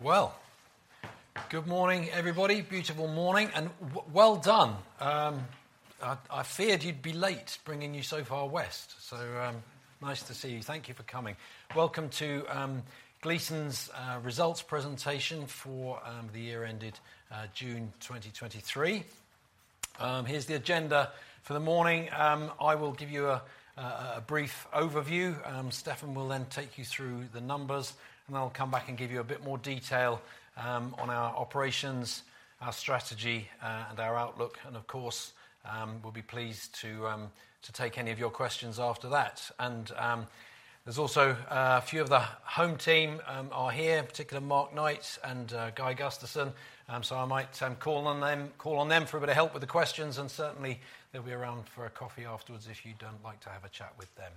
Okay. Well, good morning, everybody. Beautiful morning, and well done! I feared you'd be late, bringing you so far west, so nice to see you. Thank you for coming. Welcome to Gleeson's results presentation for the year ended June 2023. Here's the agenda for the morning. I will give you a brief overview. Stefan will then take you through the numbers, and then I'll come back and give you a bit more detail on our operations, our strategy, and our outlook. And, of course, we'll be pleased to take any of your questions after that. And there's also a few of the home team are here, in particular, Mark Knight and Guy Gusterson. So I might call on them for a bit of help with the questions, and certainly they'll be around for a coffee afterwards if you'd like to have a chat with them.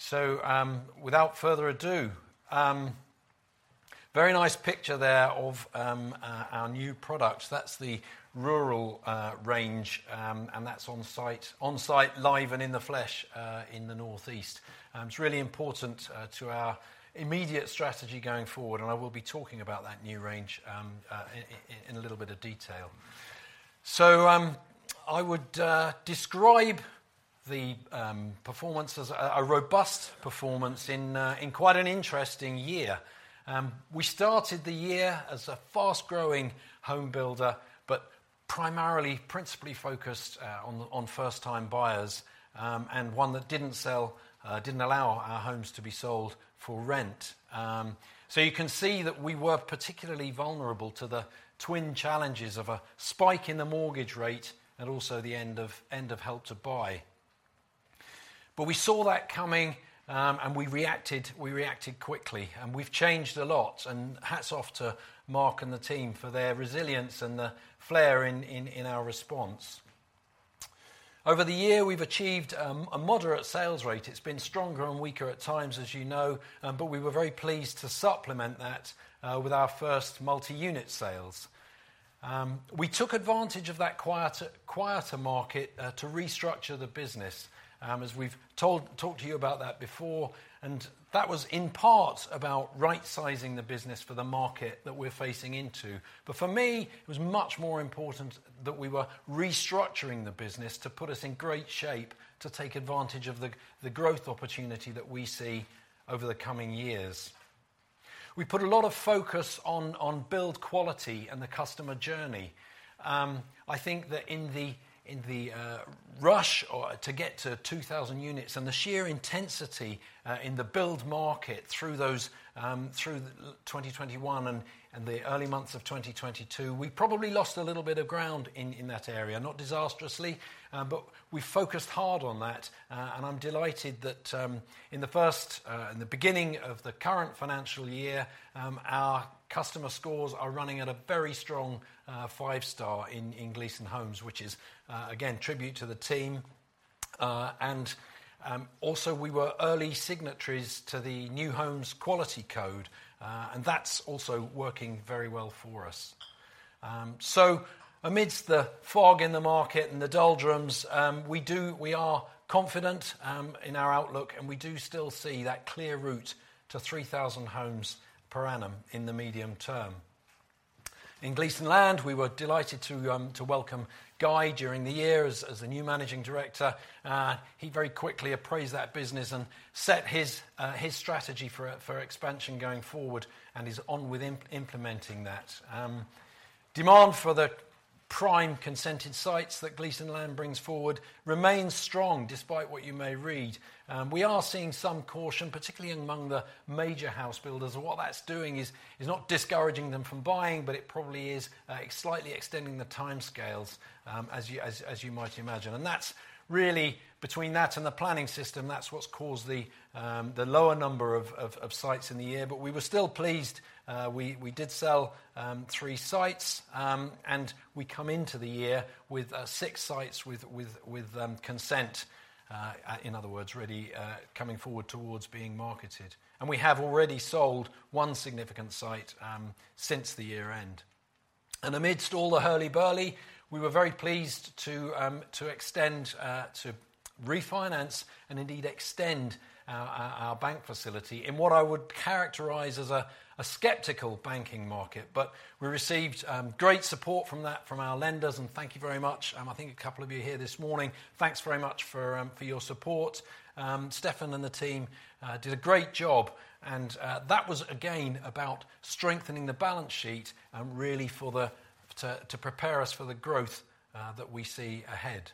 So, without further ado, very nice picture there of our new product. That's the rural range, and that's on site live and in the flesh in the Northeast. It's really important to our immediate strategy going forward, and I will be talking about that new range in a little bit of detail. So, I would describe the performance as a robust performance in quite an interesting year. We started the year as a fast-growing home builder, but primarily principally focused on first-time buyers, and one that didn't sell, didn't allow our homes to be sold for rent. So you can see that we were particularly vulnerable to the twin challenges of a spike in the mortgage rate and also the end of Help to Buy. But we saw that coming, and we reacted, we reacted quickly, and we've changed a lot, and hats off to Mark and the team for their resilience and the flair in our response. Over the year, we've achieved a moderate sales rate. It's been stronger and weaker at times, as you know, but we were very pleased to supplement that with our first multi-unit sales. We took advantage of that quieter, quieter market to restructure the business, as we've talked to you about that before, and that was in part about right-sizing the business for the market that we're facing into. But for me, it was much more important that we were restructuring the business to put us in great shape to take advantage of the growth opportunity that we see over the coming years. We put a lot of focus on build quality and the customer journey. I think that in the rush to get to 2,000 units and the sheer intensity in the build market through 2021 and the early months of 2022, we probably lost a little bit of ground in that area. Not disastrously, but we focused hard on that, and I'm delighted that, in the beginning of the current financial year, our customer scores are running at a very strong five star in Gleeson Homes, which is, again, tribute to the team. And also, we were early signatories to the New Homes Quality Code, and that's also working very well for us. So amidst the fog in the market and the doldrums, we are confident in our outlook, and we still see that clear route to 3,000 homes per annum in the medium term. In Gleeson Land, we were delighted to welcome Guy during the year as the new Managing Director. He very quickly appraised that business and set his his strategy for expansion going forward and is on with implementing that. Demand for the prime consented sites that Gleeson Land brings forward remains strong, despite what you may read. We are seeing some caution, particularly among the major house builders, and what that's doing is not discouraging them from buying, but it probably is slightly extending the timescales, as you might imagine. And that's really, between that and the planning system, that's what's caused the lower number of sites in the year. But we were still pleased, we did sell three sites, and we come into the year with six sites with consent, in other words, really, coming forward towards being marketed, and we have already sold one significant site since the year end. Amidst all the hurly burly, we were very pleased to extend to refinance and indeed extend our bank facility in what I would characterize as a skeptical banking market. But we received great support from our lenders, and thank you very much. I think a couple of you are here this morning. Thanks very much for your support. Stefan and the team did a great job, and that was again about strengthening the balance sheet and really to prepare us for the growth that we see ahead.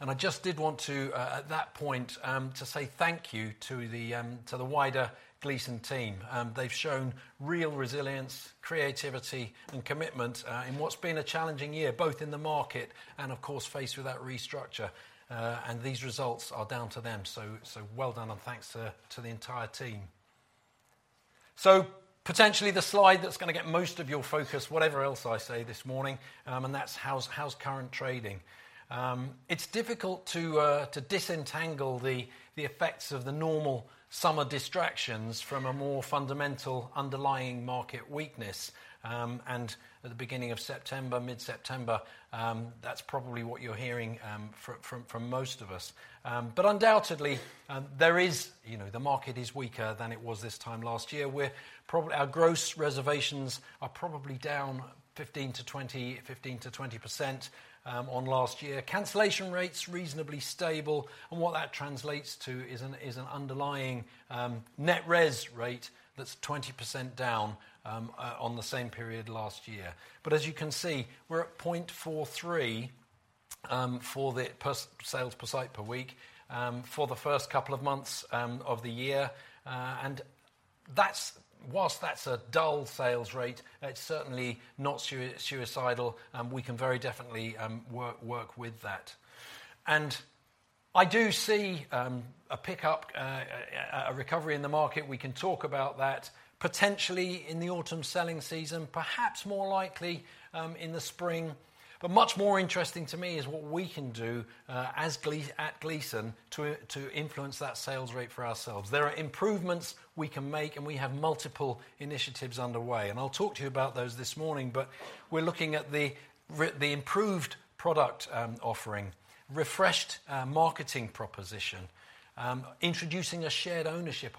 And I just did want to, at that point, to say thank you to the wider Gleeson team. They've shown real resilience, creativity, and commitment in what's been a challenging year, both in the market and, of course, faced with that restructure. And these results are down to them, so well done, and thanks to the entire team. So potentially, the slide that's gonna get most of your focus, whatever else I say this morning, and that's how's current trading. It's difficult to disentangle the effects of the normal summer distractions from a more fundamental, underlying market weakness, and at the beginning of September, mid-September, that's probably what you're hearing from most of us. But undoubtedly, there is, you know, the market is weaker than it was this time last year, where probably our gross reservations are probably down 15%-20%, 15%-20% on last year. Cancellation rates, reasonably stable, and what that translates to is an underlying net res rate that's 20% down on the same period last year. But as you can see, we're at 0.43 for the per sales per site per week for the first couple of months of the year. And that's whilst that's a dull sales rate, it's certainly not suicidal, we can very definitely work with that. And I do see a pickup, a recovery in the market. We can talk about that, potentially in the autumn selling season, perhaps more likely in the spring. But much more interesting to me is what we can do as Gleeson to influence that sales rate for ourselves. There are improvements we can make, and we have multiple initiatives underway, and I'll talk to you about those this morning. But we're looking at the improved product offering, refreshed marketing proposition, introducing a shared ownership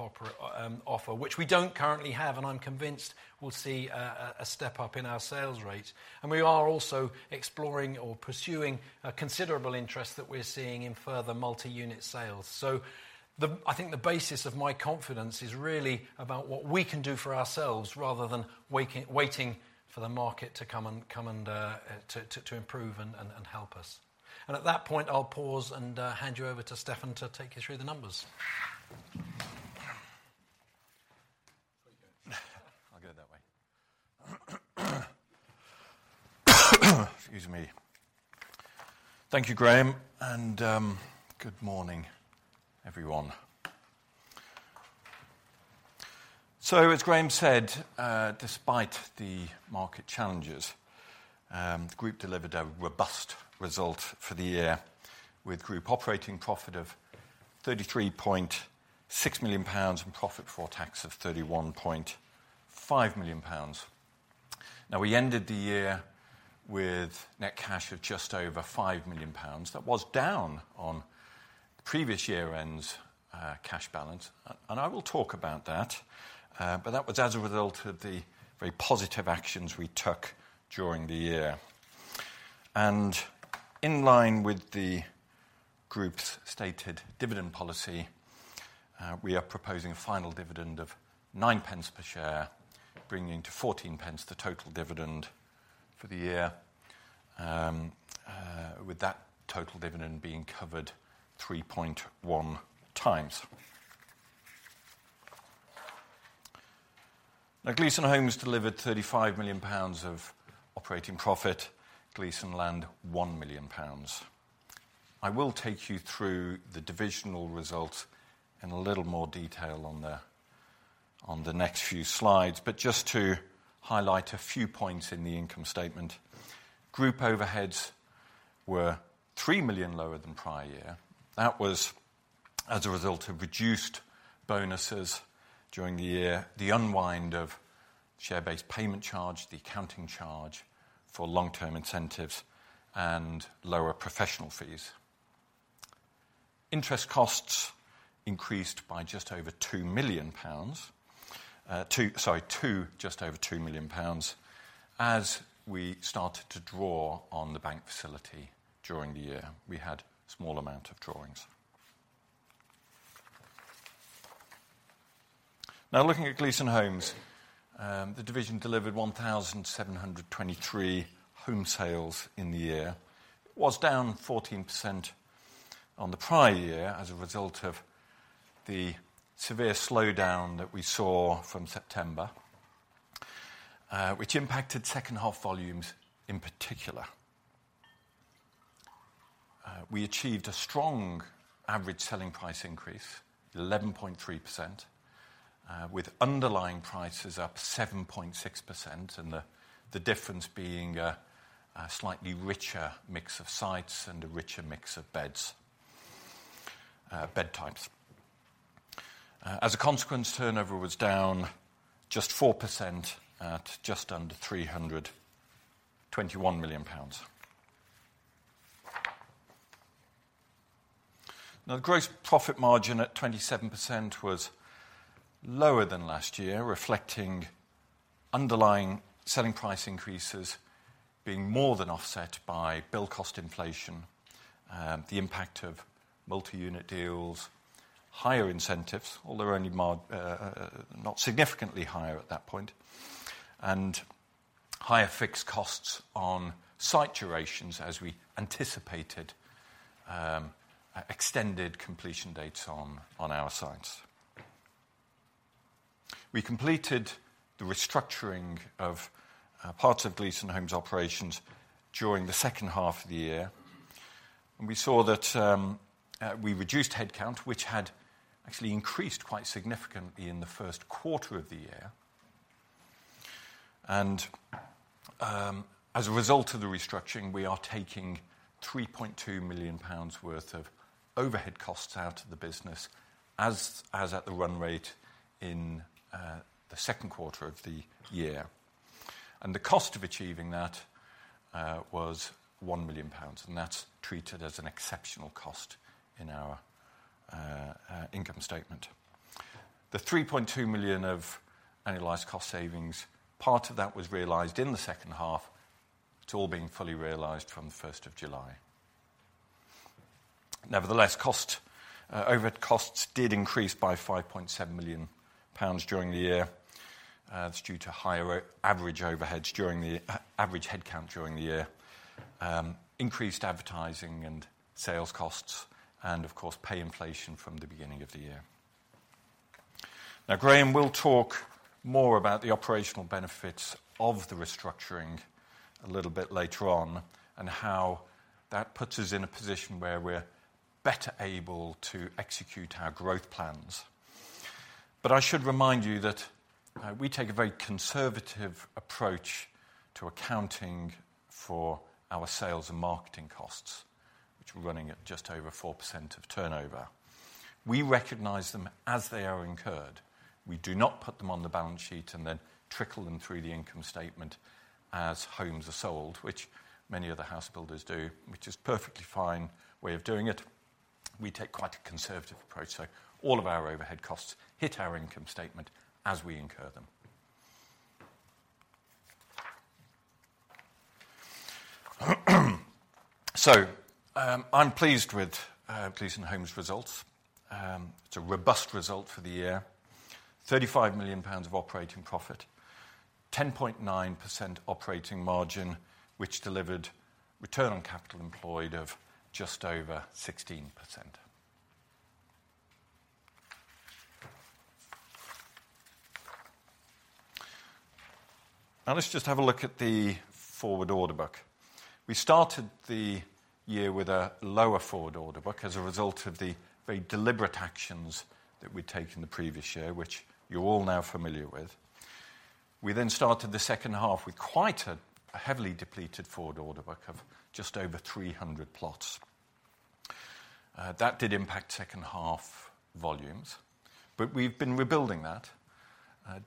offer, which we don't currently have, and I'm convinced we'll see a step up in our sales rate. And we are also exploring or pursuing a considerable interest that we're seeing in further multi-unit sales. So I think the basis of my confidence is really about what we can do for ourselves, rather than waiting for the market to come and improve and help us. And at that point, I'll pause and hand you over to Stefan to take you through the numbers. I'll go that way. Excuse me. Thank you, Graham, and good morning, everyone. So as Graham said, despite the market challenges, the group delivered a robust result for the year, with group operating profit of 33.6 million pounds and profit before tax of 31.5 million pounds. Now, we ended the year with net cash of just over 5 million pounds. That was down on the previous year-end's cash balance, and I will talk about that. But that was as a result of the very positive actions we took during the year. And in line with the group's stated dividend policy, we are proposing a final dividend of 0.09 per share, bringing to 14 pence the total dividend for the year. With that total dividend being covered 3.1 times. Now, Gleeson Homes delivered 35 million pounds of operating profit. Gleeson Land, 1 million pounds. I will take you through the divisional results in a little more detail on the next few slides, but just to highlight a few points in the income statement. Group overheads were 3 million lower than prior year. That was as a result of reduced bonuses during the year, the unwind of share-based payment charge, the accounting charge for long-term incentives, and lower professional fees. Interest costs increased by just over 2 million pounds, as we started to draw on the bank facility during the year. We had a small amount of drawings. Now, looking at Gleeson Homes, the division delivered 1,723 home sales in the year. It was down 14% on the prior year as a result of the severe slowdown that we saw from September, which impacted second half volumes in particular. We achieved a strong average selling price increase, 11.3%, with underlying prices up 7.6%, and the difference being a slightly richer mix of sites and a richer mix of beds, bed types. As a consequence, turnover was down just 4% at just under 321 million pounds. Now, the gross profit margin at 27% was lower than last year, reflecting underlying selling price increases being more than offset by build cost inflation, the impact of multi-unit deals, higher incentives, although only marginally not significantly higher at that point, and higher fixed costs on site durations as we anticipated, extended completion dates on our sites. We completed the restructuring of parts of Gleeson Homes' operations during the second half of the year and we saw that we reduced headcount, which had actually increased quite significantly in the first quarter of the year. As a result of the restructuring, we are taking 3.2 million pounds worth of overhead costs out of the business, as at the run rate in the second quarter of the year. The cost of achieving that was 1 million pounds, and that's treated as an exceptional cost in our income statement. The 3.2 million of annualized cost savings, part of that was realized in the second half. It's all being fully realized from the first of July. Nevertheless, cost, overhead costs did increase by 5.7 million pounds during the year. It's due to higher average overheads during the average headcount during the year, increased advertising and sales costs, and of course, pay inflation from the beginning of the year. Now, Graham will talk more about the operational benefits of the restructuring a little bit later on, and how that puts us in a position where we're better able to execute our growth plans. But I should remind you that we take a very conservative approach to accounting for our sales and marketing costs, which we're running at just over 4% of turnover. We recognize them as they are incurred. We do not put them on the balance sheet and then trickle them through the income statement as homes are sold, which many other house builders do, which is perfectly fine way of doing it. We take quite a conservative approach, so all of our overhead costs hit our income statement as we incur them. So, I'm pleased with Gleeson Homes' results. It's a robust result for the year. GBP 35 million of operating profit, 10.9% operating margin, which delivered return on capital employed of just over 16%. Now, let's just have a look at the forward order book. We started the year with a lower forward order book as a result of the very deliberate actions that we'd taken the previous year, which you're all now familiar with. We then started the second half with quite a heavily depleted forward order book of just over 300 plots. That did impact second half volumes, but we've been rebuilding that.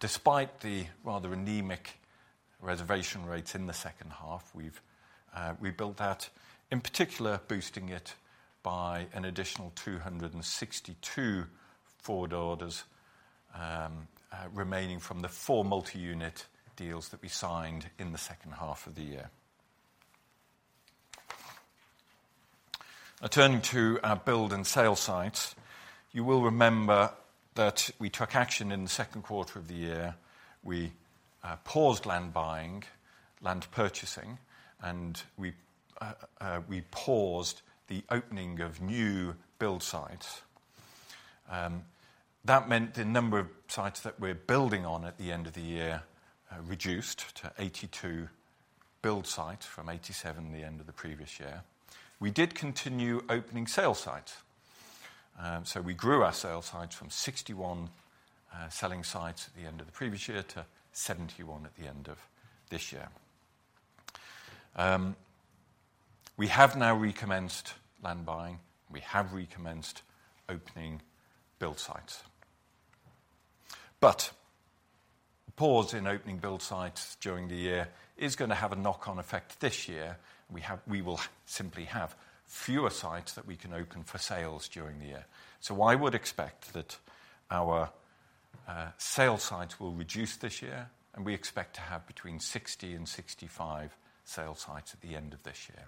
Despite the rather anemic reservation rates in the second half, we've rebuilt that, in particular, boosting it by an additional 262 forward orders remaining from the four multi-unit deals that we signed in the second half of the year. Now turning to our build and sale sites, you will remember that we took action in the second quarter of the year. We paused land buying, land purchasing, and we paused the opening of new build sites. That meant the number of sites that we're building on at the end of the year reduced to 82 build sites from 87 the end of the previous year. We did continue opening sales sites. So we grew our sales sites from 61 selling sites at the end of the previous year to 71 at the end of this year. We have now recommenced land buying. We have recommenced opening build sites. But pause in opening build sites during the year is gonna have a knock-on effect this year. We will simply have fewer sites that we can open for sales during the year. So I would expect that our sales sites will reduce this year, and we expect to have between 60 and 65 sales sites at the end of this year.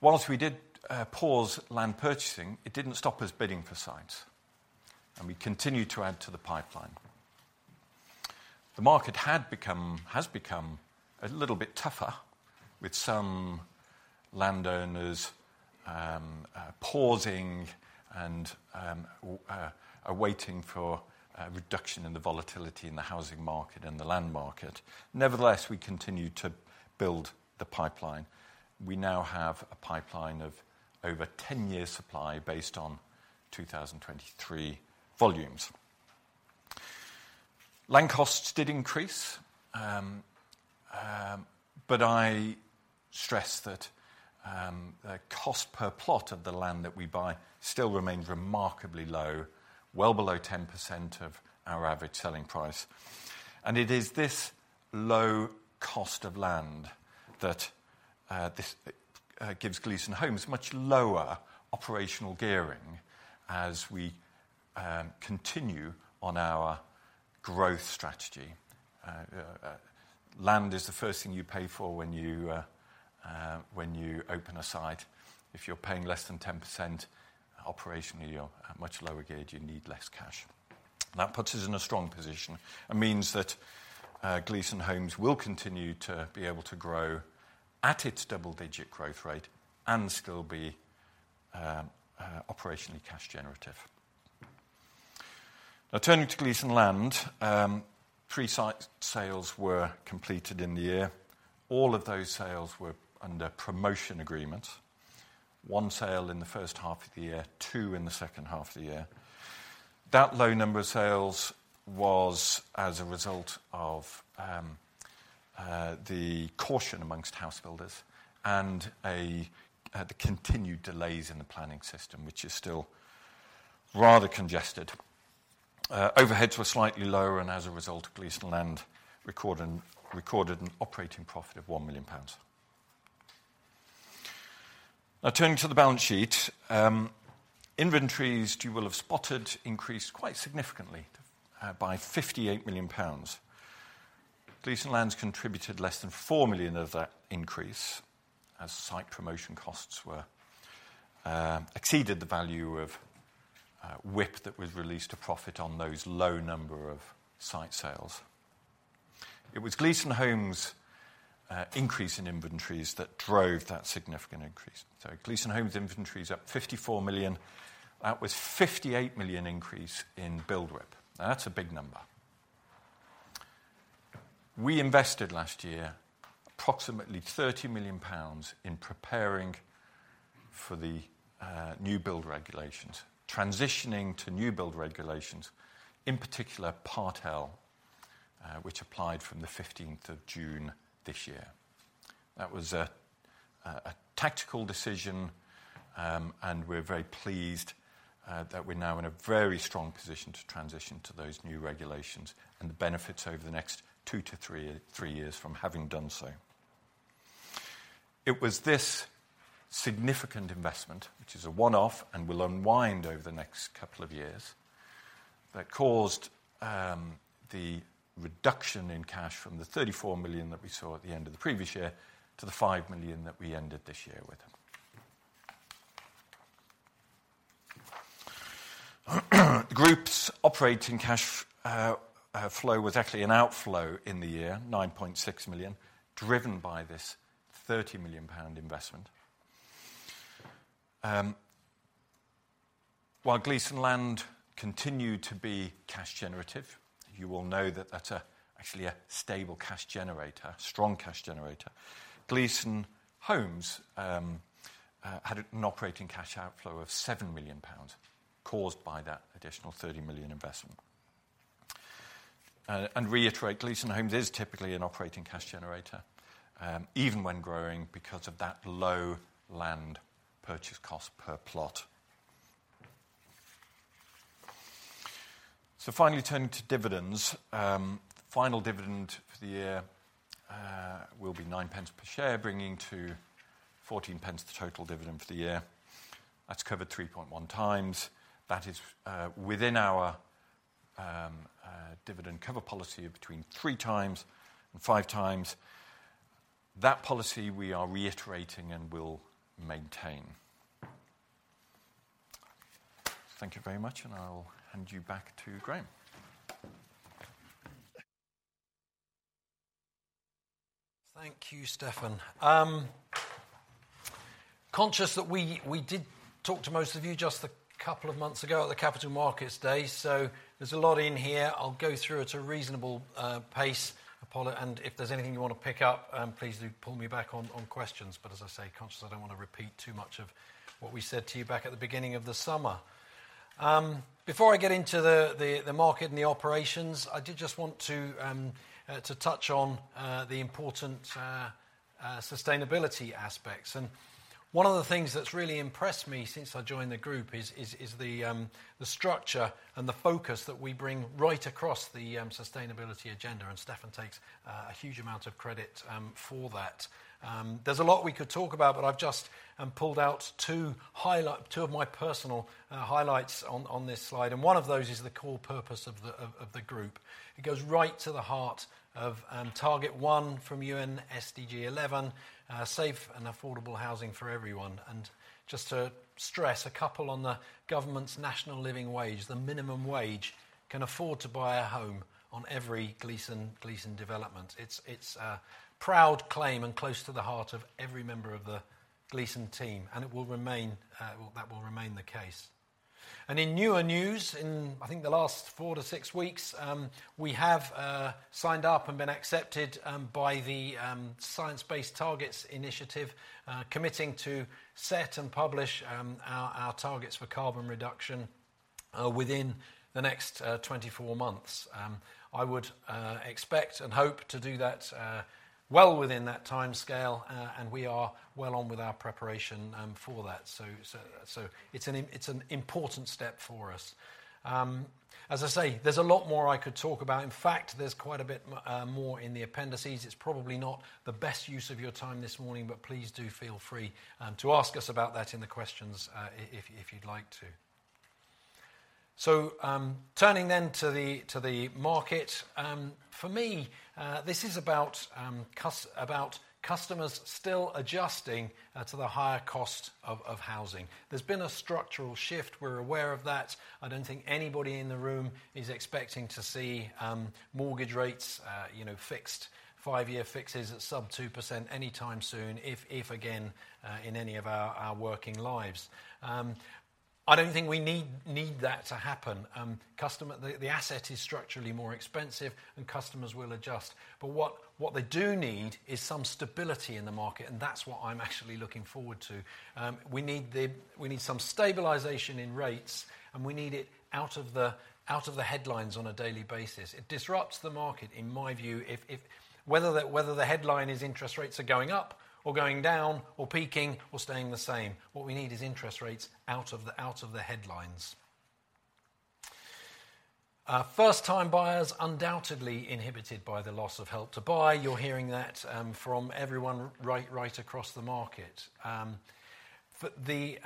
While we did pause land purchasing, it didn't stop us bidding for sites, and we continued to add to the pipeline. The market had become, has become a little bit tougher, with some landowners pausing and are waiting for a reduction in the volatility in the housing market and the land market. Nevertheless, we continued to build the pipeline. We now have a pipeline of over 10 years' supply, based on 2023 volumes. Land costs did increase, but I stress that the cost per plot of the land that we buy still remains remarkably low, well below 10% of our average selling price. It is this low cost of land that gives Gleeson Homes much lower operational gearing as we continue on our growth strategy. Land is the first thing you pay for when you, when you open a site. If you're paying less than 10%, operationally, you're at much lower gear, you need less cash. That puts us in a strong position and means that, Gleeson Homes will continue to be able to grow at its double-digit growth rate and still be operationally cash generative. Now, turning to Gleeson Land, three site sales were completed in the year. All of those sales were under promotion agreement. One sale in the first half of the year, two in the second half of the year. That low number of sales was as a result of, the caution amongst house builders and a, the continued delays in the planning system, which is still rather congested. Overheads were slightly lower, and as a result, Gleeson Land recorded an operating profit of 1 million pounds. Now, turning to the balance sheet, inventories, you will have spotted, increased quite significantly by 58 million pounds. Gleeson Land's contributed less than 4 million of that increase, as site promotion costs exceeded the value of WIP that was released to profit on those low number of site sales. It was Gleeson Homes increase in inventories that drove that significant increase. So Gleeson Homes inventories up 54 million. That was 58 million increase in build WIP. Now, that's a big number. We invested last year approximately 30 million pounds in preparing for the new build regulations, transitioning to new build regulations, in particular, Part L, which applied from the 15th of June this year. That was a tactical decision, and we're very pleased that we're now in a very strong position to transition to those new regulations and the benefits over the next two to three, three years from having done so. It was this significant investment, which is a one-off, and will unwind over the next couple of years, that caused the reduction in cash from the 34 million that we saw at the end of the previous year to the 5 million that we ended this year with. The group's operating cash flow was actually an outflow in the year, 9.6 million, driven by this 30 million pound investment. While Gleeson Land continued to be cash generative, you will know that that's actually a stable cash generator, strong cash generator. Gleeson Homes had an operating cash outflow of 7 million pounds, caused by that additional 30 million investment. And reiterate, Gleeson Homes is typically an operating cash generator, even when growing, because of that low land purchase cost per plot. So finally, turning to dividends. Final dividend for the year will be 0.09 per share, bringing to 0.14, the total dividend for the year. That's covered 3.1 times. That is within our dividend cover policy of between 3 times and 5 times. That policy we are reiterating and will maintain. Thank you very much, and I'll hand you back to Graham. Thank you, Stefan. Conscious that we, we did talk to most of you just a couple of months ago at the Capital Markets Day, so there's a lot in here. I'll go through at a reasonable pace, and if there's anything you want to pick up, please do pull me back on questions. But as I say, conscious I don't want to repeat too much of what we said to you back at the beginning of the summer. Before I get into the, the, the market and the operations, I did just want to touch on the important sustainability aspects. One of the things that's really impressed me since I joined the group is the structure and the focus that we bring right across the sustainability agenda, and Stefan takes a huge amount of credit for that. There's a lot we could talk about, but I've just pulled out two of my personal highlights on this slide, and one of those is the core purpose of the group. It goes right to the heart of Target 1 from UN SDG 11, safe and affordable housing for everyone. Just to stress a couple on the government's National Living Wage, the minimum wage can afford to buy a home on every Gleeson development. It's a proud claim and close to the heart of every member of the Gleeson team, and it will remain, that will remain the case. In newer news, in I think the last four to six weeks, we have signed up and been accepted by the Science Based Targets Initiative, committing to set and publish our targets for carbon reduction within the next 24 months. I would expect and hope to do that well within that timescale, and we are well on with our preparation for that. So it's an important step for us. As I say, there's a lot more I could talk about. In fact, there's quite a bit more in the appendices. It's probably not the best use of your time this morning, but please do feel free to ask us about that in the questions, if you'd like to. So, turning then to the market. For me, this is about about customers still adjusting to the higher cost of housing. There's been a structural shift, we're aware of that. I don't think anybody in the room is expecting to see mortgage rates, you know, fixed, five-year fixes at sub 2% anytime soon, if again in any of our working lives. But I don't think we need that to happen. Customer, the asset is structurally more expensive, and customers will adjust. But what they do need is some stability in the market, and that's what I'm actually looking forward to. We need some stabilization in rates, and we need it out of the headlines on a daily basis. It disrupts the market, in my view, if whether the headline is interest rates are going up, or going down, or peaking, or staying the same. What we need is interest rates out of the headlines. First-time buyers undoubtedly inhibited by the loss of Help to Buy. You're hearing that from everyone right across the market. The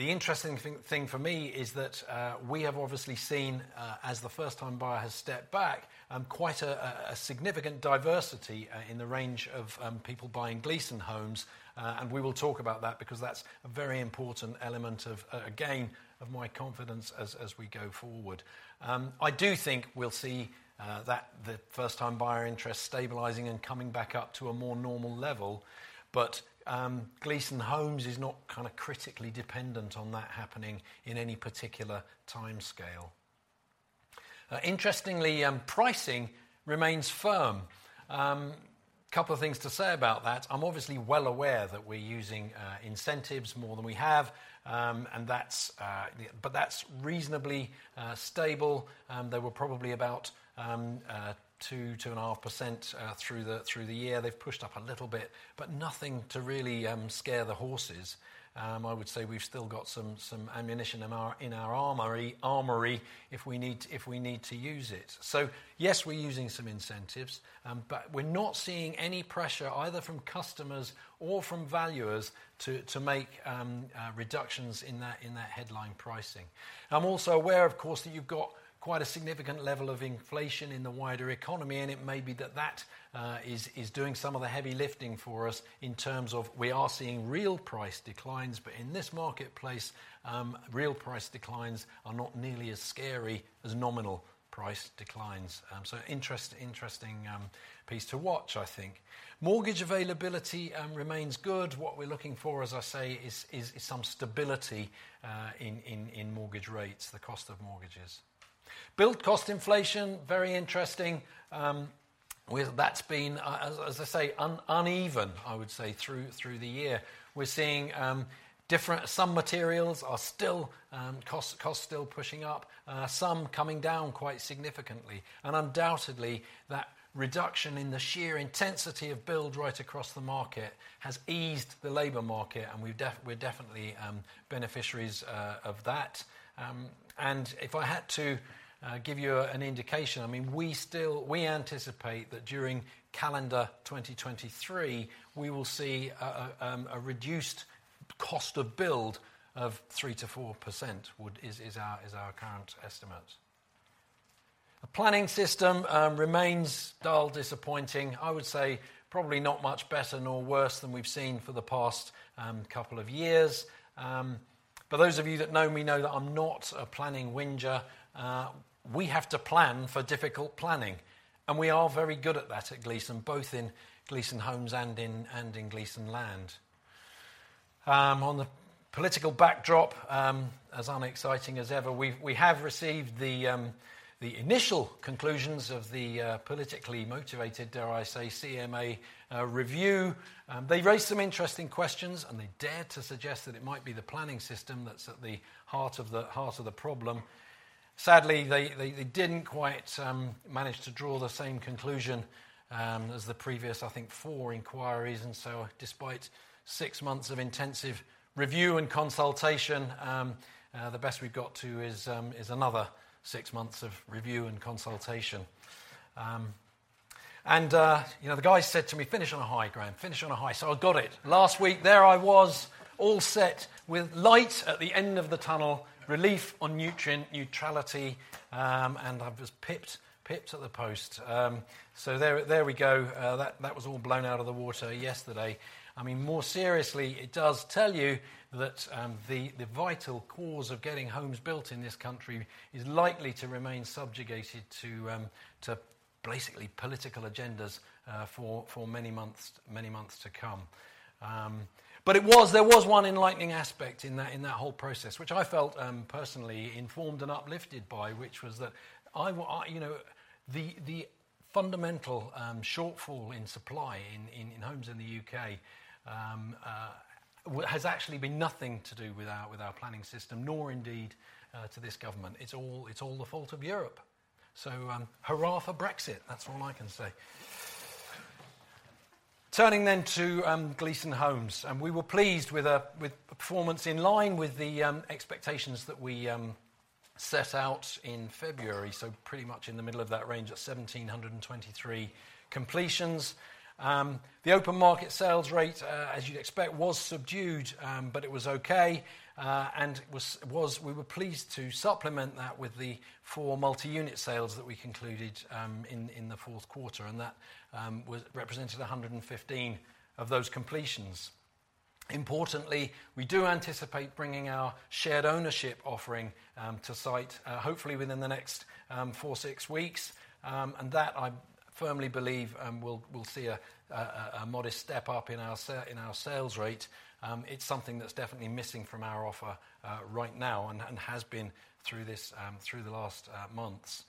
interesting thing for me is that we have obviously seen, as the first-time buyer has stepped back, quite a significant diversity in the range of people buying Gleeson Homes. And we will talk about that because that's a very important element of again of my confidence as we go forward. I do think we'll see that the first-time buyer interest stabilizing and coming back up to a more normal level. But Gleeson Homes is not kind of critically dependent on that happening in any particular timescale. Interestingly, pricing remains firm. Couple of things to say about that. I'm obviously well aware that we're using incentives more than we have. And that's. But that's reasonably stable. They were probably about 2%-2.5% through the year. They've pushed up a little bit, but nothing to really scare the horses. I would say we've still got some ammunition in our armory if we need to use it. So yes, we're using some incentives, but we're not seeing any pressure, either from customers or from valuers, to make reductions in that headline pricing. I'm also aware, of course, that you've got quite a significant level of inflation in the wider economy, and it may be that that is doing some of the heavy lifting for us in terms of we are seeing real price declines. But in this marketplace, real price declines are not nearly as scary as nominal price declines. So interesting piece to watch, I think. Mortgage availability remains good. What we're looking for, as I say, is some stability in mortgage rates, the cost of mortgages. Build cost inflation, very interesting. With that's been, as I say, uneven, I would say, through the year. We're seeing some materials are still cost still pushing up, some coming down quite significantly. And undoubtedly, that reduction in the sheer intensity of build right across the market has eased the labor market, and we're definitely beneficiaries of that. And if I had to give you an indication, I mean, we anticipate that during calendar 2023, we will see a reduced cost of build of 3%-4% would...is our current estimate. The planning system remains dull, disappointing. I would say probably not much better nor worse than we've seen for the past couple of years. But those of you that know me know that I'm not a planning whinger. We have to plan for difficult planning, and we are very good at that at Gleeson, both in Gleeson Homes and in Gleeson Land. On the political backdrop, as unexciting as ever, we have received the initial conclusions of the politically motivated, dare I say, CMA review. They raised some interesting questions, and they dared to suggest that it might be the planning system that's at the heart of the problem. Sadly, they didn't quite manage to draw the same conclusion as the previous, I think, four inquiries. And so despite six months of intensive review and consultation, the best we've got to is another six months of review and consultation. And, you know, the guy said to me, "Finish on a high grant. Finish on a high." So I got it. Last week, there I was, all set with light at the end of the tunnel, relief on nutrient neutrality, and I was pipped at the post. So there we go. That was all blown out of the water yesterday. I mean, more seriously, it does tell you that the vital cause of getting homes built in this country is likely to remain subjugated to basically political agendas for many months to come. But it was. There was one enlightening aspect in that whole process, which I felt personally informed and uplifted by, which was that I, you know. The fundamental shortfall in supply in homes in the U.K. has actually been nothing to do with our planning system, nor indeed to this government. It's all the fault of Europe. So, hurrah for Brexit! That's all I can say. Turning then to Gleeson Homes, and we were pleased with a performance in line with the expectations that we set out in February, so pretty much in the middle of that range at 1,723 completions. The open market sales rate, as you'd expect, was subdued, but it was okay. We were pleased to supplement that with the four multi-unit sales that we concluded in the fourth quarter, and that represented 115 of those completions. Importantly, we do anticipate bringing our shared ownership offering to site, hopefully within the next four to six weeks. And that I firmly believe we'll see a modest step up in our sales rate. It's something that's definitely missing from our offer right now and has been through this through the last months.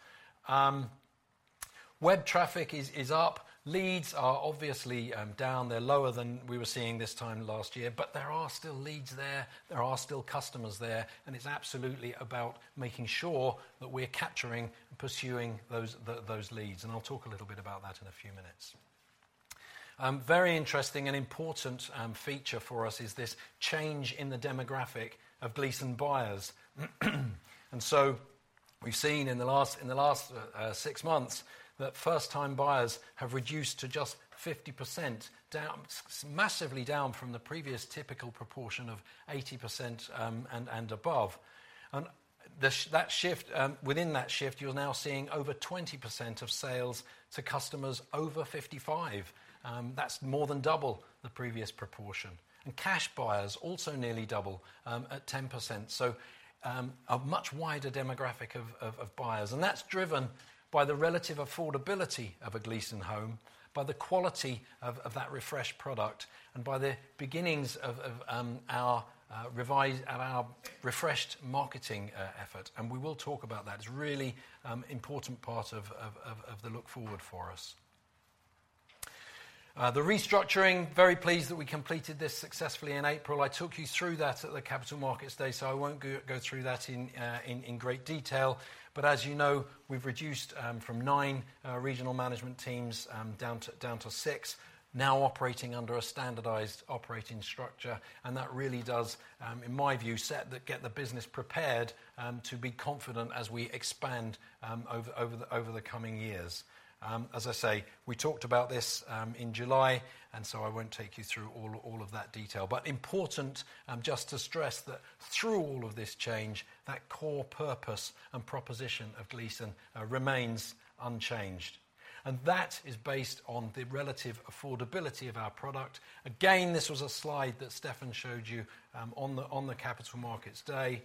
Web traffic is up. Leads are obviously down. They're lower than we were seeing this time last year, but there are still leads there, there are still customers there, and it's absolutely about making sure that we're capturing and pursuing those those leads, and I'll talk a little bit about that in a few minutes. Very interesting and important feature for us is this change in the demographic of Gleeson buyers. And so we've seen in the last six months that first-time buyers have reduced to just 50%, down massively down from the previous typical proportion of 80% and above. And that shift, within that shift, you're now seeing over 20% of sales to customers over 55. That's more than double the previous proportion, and cash buyers also nearly double, at 10%. So, a much wider demographic of buyers, and that's driven by the relative affordability of a Gleeson home, by the quality of that refreshed product, and by the beginnings of our refreshed marketing effort, and we will talk about that. It's a really important part of the look forward for us. The restructuring, very pleased that we completed this successfully in April. I took you through that at the Capital Markets Day, so I won't go through that in great detail. As you know, we've reduced from nine regional management teams down to six, now operating under a standardized operating structure, and that really does, in my view, set the, get the business prepared to be confident as we expand over the coming years. As I say, we talked about this in July, and so I won't take you through all, all of that detail. Important, just to stress that through all of this change, that core purpose and proposition of Gleeson remains unchanged, and that is based on the relative affordability of our product. Again, this was a slide that Stefan showed you on the Capital Markets Day.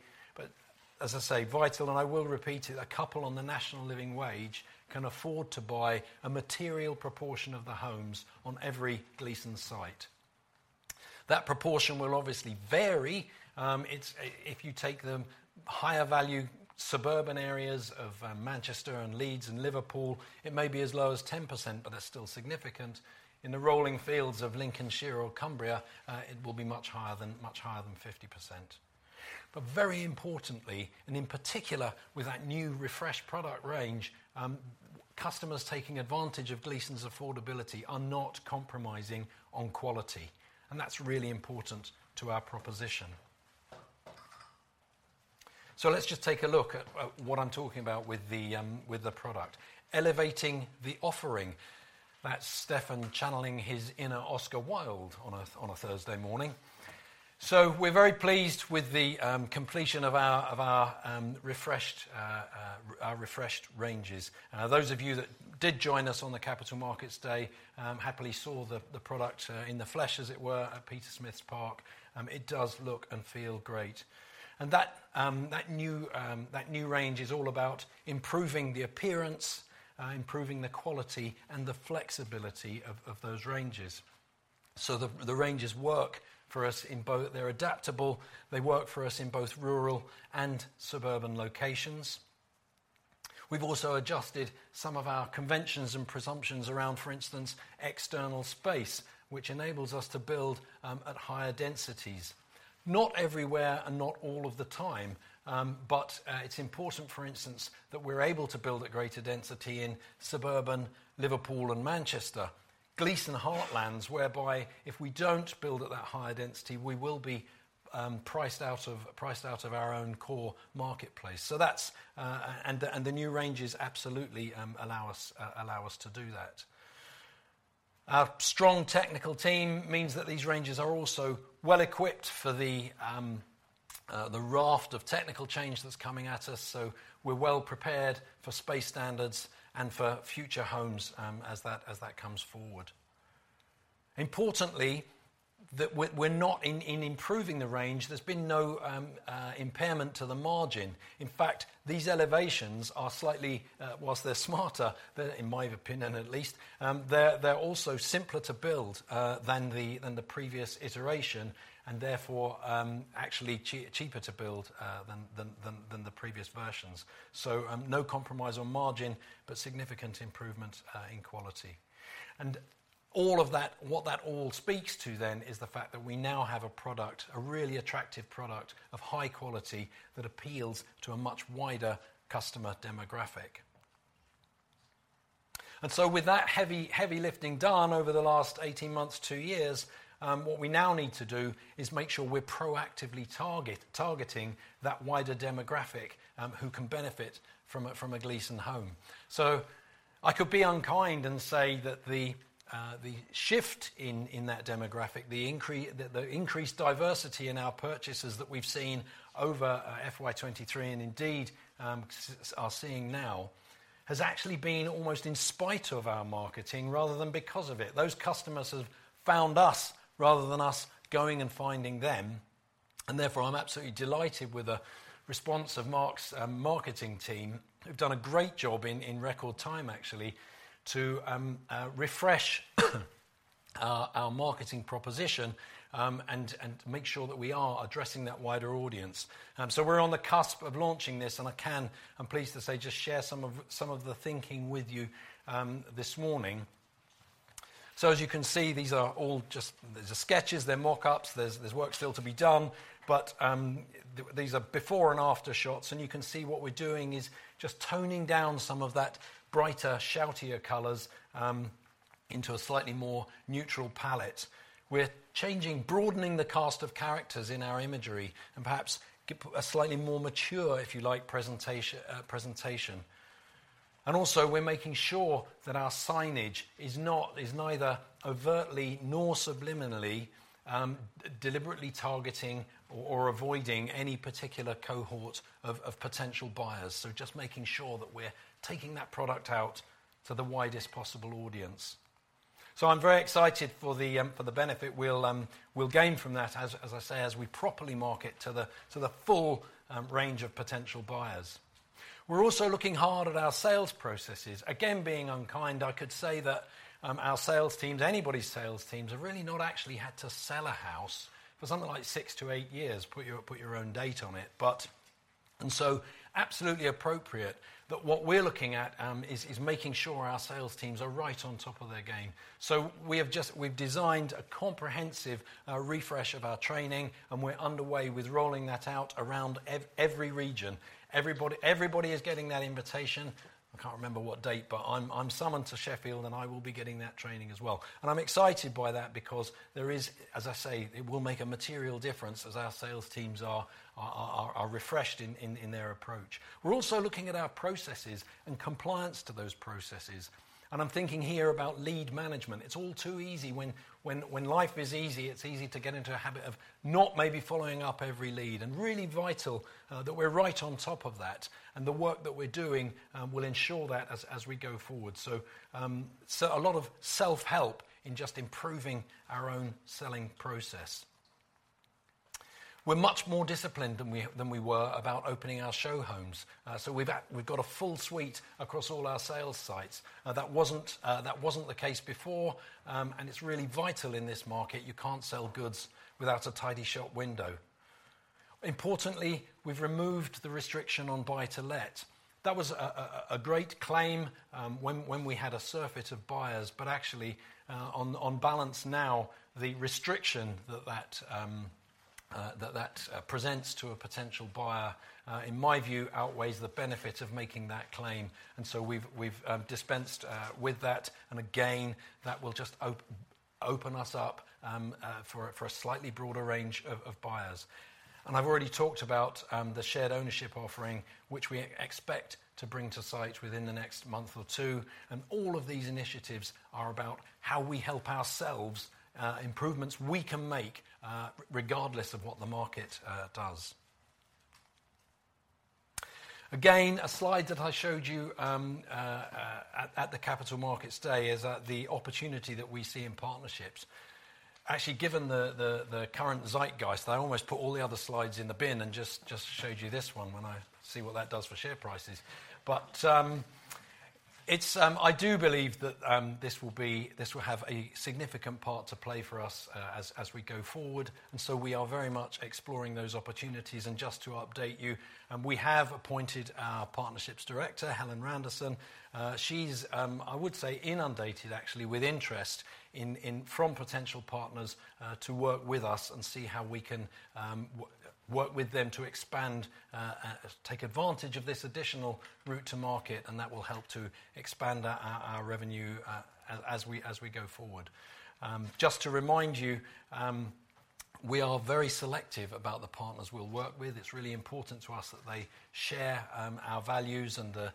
But as I say, vital, and I will repeat it, a couple on the national living wage can afford to buy a material proportion of the homes on every Gleeson site. That proportion will obviously vary. It's if you take the higher value, suburban areas of Manchester and Leeds and Liverpool, it may be as low as 10%, but that's still significant. In the rolling fields of Lincolnshire or Cumbria, it will be much higher than, much higher than 50%. But very importantly, and in particular, with that new refreshed product range, customers taking advantage of Gleeson's affordability are not compromising on quality, and that's really important to our proposition. So let's just take a look at what I'm talking about with the product. Elevating the offering. That's Stefan channeling his inner Oscar Wilde on a Thursday morning. So we're very pleased with the completion of our refreshed ranges. Those of you that did join us on the Capital Markets Day happily saw the product in the flesh, as it were, at Peter Smith Park. It does look and feel great. And that new range is all about improving the appearance, improving the quality, and the flexibility of those ranges. So the ranges work for us in both... they're adaptable. They work for us in both rural and suburban locations. We've also adjusted some of our conventions and presumptions around, for instance, external space, which enables us to build at higher densities. Not everywhere and not all of the time, but it's important, for instance, that we're able to build at greater density in suburban Liverpool and Manchester, Gleeson heartlands, whereby if we don't build at that higher density, we will be priced out of, priced out of our own core marketplace. So that's, and the, and the new ranges absolutely allow us, allow us to do that. Our strong technical team means that these ranges are also well-equipped for the, the raft of technical change that's coming at us, so we're well prepared for space standards and for future homes, as that, as that comes forward. Importantly, that we're, we're not, in, in improving the range, there's been no impairment to the margin. In fact, these elevations are slightly whilst they're smarter, they're, in my opinion, at least, they're also simpler to build than the previous iteration, and therefore actually cheaper to build than the previous versions. So, no compromise on margin, but significant improvement in quality. And all of that, what that all speaks to then, is the fact that we now have a product, a really attractive product of high quality, that appeals to a much wider customer demographic. And so with that heavy, heavy lifting done over the last 18 months, two years, what we now need to do is make sure we're proactively targeting that wider demographic who can benefit from a Gleeson home. So I could be unkind and say that the shift in that demographic, the increased diversity in our purchases that we've seen over FY 2023, and indeed, are seeing now, has actually been almost in spite of our marketing, rather than because of it. Those customers have found us, rather than us going and finding them and, therefore, I'm absolutely delighted with the response of Mark's marketing team, who've done a great job in record time actually, to refresh our marketing proposition, and make sure that we are addressing that wider audience. So we're on the cusp of launching this, and I can, I'm pleased to say, just share some of, some of the thinking with you this morning. So as you can see, these are all just, these are sketches, they're mock-ups. There's work still to be done, but, these are before and after shots, and you can see what we're doing is just toning down some of that brighter, shoutier colors, into a slightly more neutral palette. We're changing, broadening the cast of characters in our imagery, and perhaps give a slightly more mature, if you like, presentation. And also, we're making sure that our signage is not, is neither overtly nor subliminally, deliberately targeting or avoiding any particular cohort of potential buyers. So just making sure that we're taking that product out to the widest possible audience. So I'm very excited for the benefit we'll gain from that, as I say, as we properly market to the full range of potential buyers. We're also looking hard at our sales processes. Again, being unkind, I could say that our sales teams, anybody's sales teams, have really not actually had to sell a house for something like six to eight years. Put your own date on it. But and so absolutely appropriate that what we're looking at is making sure our sales teams are right on top of their game. So we've designed a comprehensive refresh of our training, and we're underway with rolling that out around every region. Everybody is getting that invitation. I can't remember what date, but I'm summoned to Sheffield, and I will be getting that training as well. I'm excited by that because there is, as I say, it will make a material difference as our sales teams are refreshed in their approach. We're also looking at our processes and compliance to those processes, and I'm thinking here about lead management. It's all too easy when life is easy, it's easy to get into a habit of not maybe following up every lead, and really vital that we're right on top of that, and the work that we're doing will ensure that as we go forward. So a lot of self-help in just improving our own selling process. We're much more disciplined than we were about opening our show homes. So we've got a full suite across all our sales sites. That wasn't the case before. And it's really vital in this market. You can't sell goods without a tidy shop window. Importantly, we've removed the restriction on buy-to-let. That was a great claim when we had a surplus of buyers. But actually, on balance now, the restriction that presents to a potential buyer, in my view, outweighs the benefit of making that claim, and so we've dispensed with that. And again, that will just open us up for a slightly broader range of buyers. And I've already talked about the shared ownership offering, which we expect to bring to site within the next month or two. All of these initiatives are about how we help ourselves, improvements we can make, regardless of what the market does. Again, a slide that I showed you at the Capital Markets Day is the opportunity that we see in partnerships. Actually, given the current Zeitgeist, I almost put all the other slides in the bin and just showed you this one, when I see what that does for share prices. But it's... I do believe that this will be- this will have a significant part to play for us, as we go forward, and so we are very much exploring those opportunities. And just to update you, we have appointed our Partnerships Director, Helen Randerson. She's, I would say, inundated, actually, with interest in from potential partners to work with us and see how we can work with them to expand, take advantage of this additional route to market, and that will help to expand our revenue as we go forward. Just to remind you, we are very selective about the partners we'll work with. It's really important to us that they share our values and the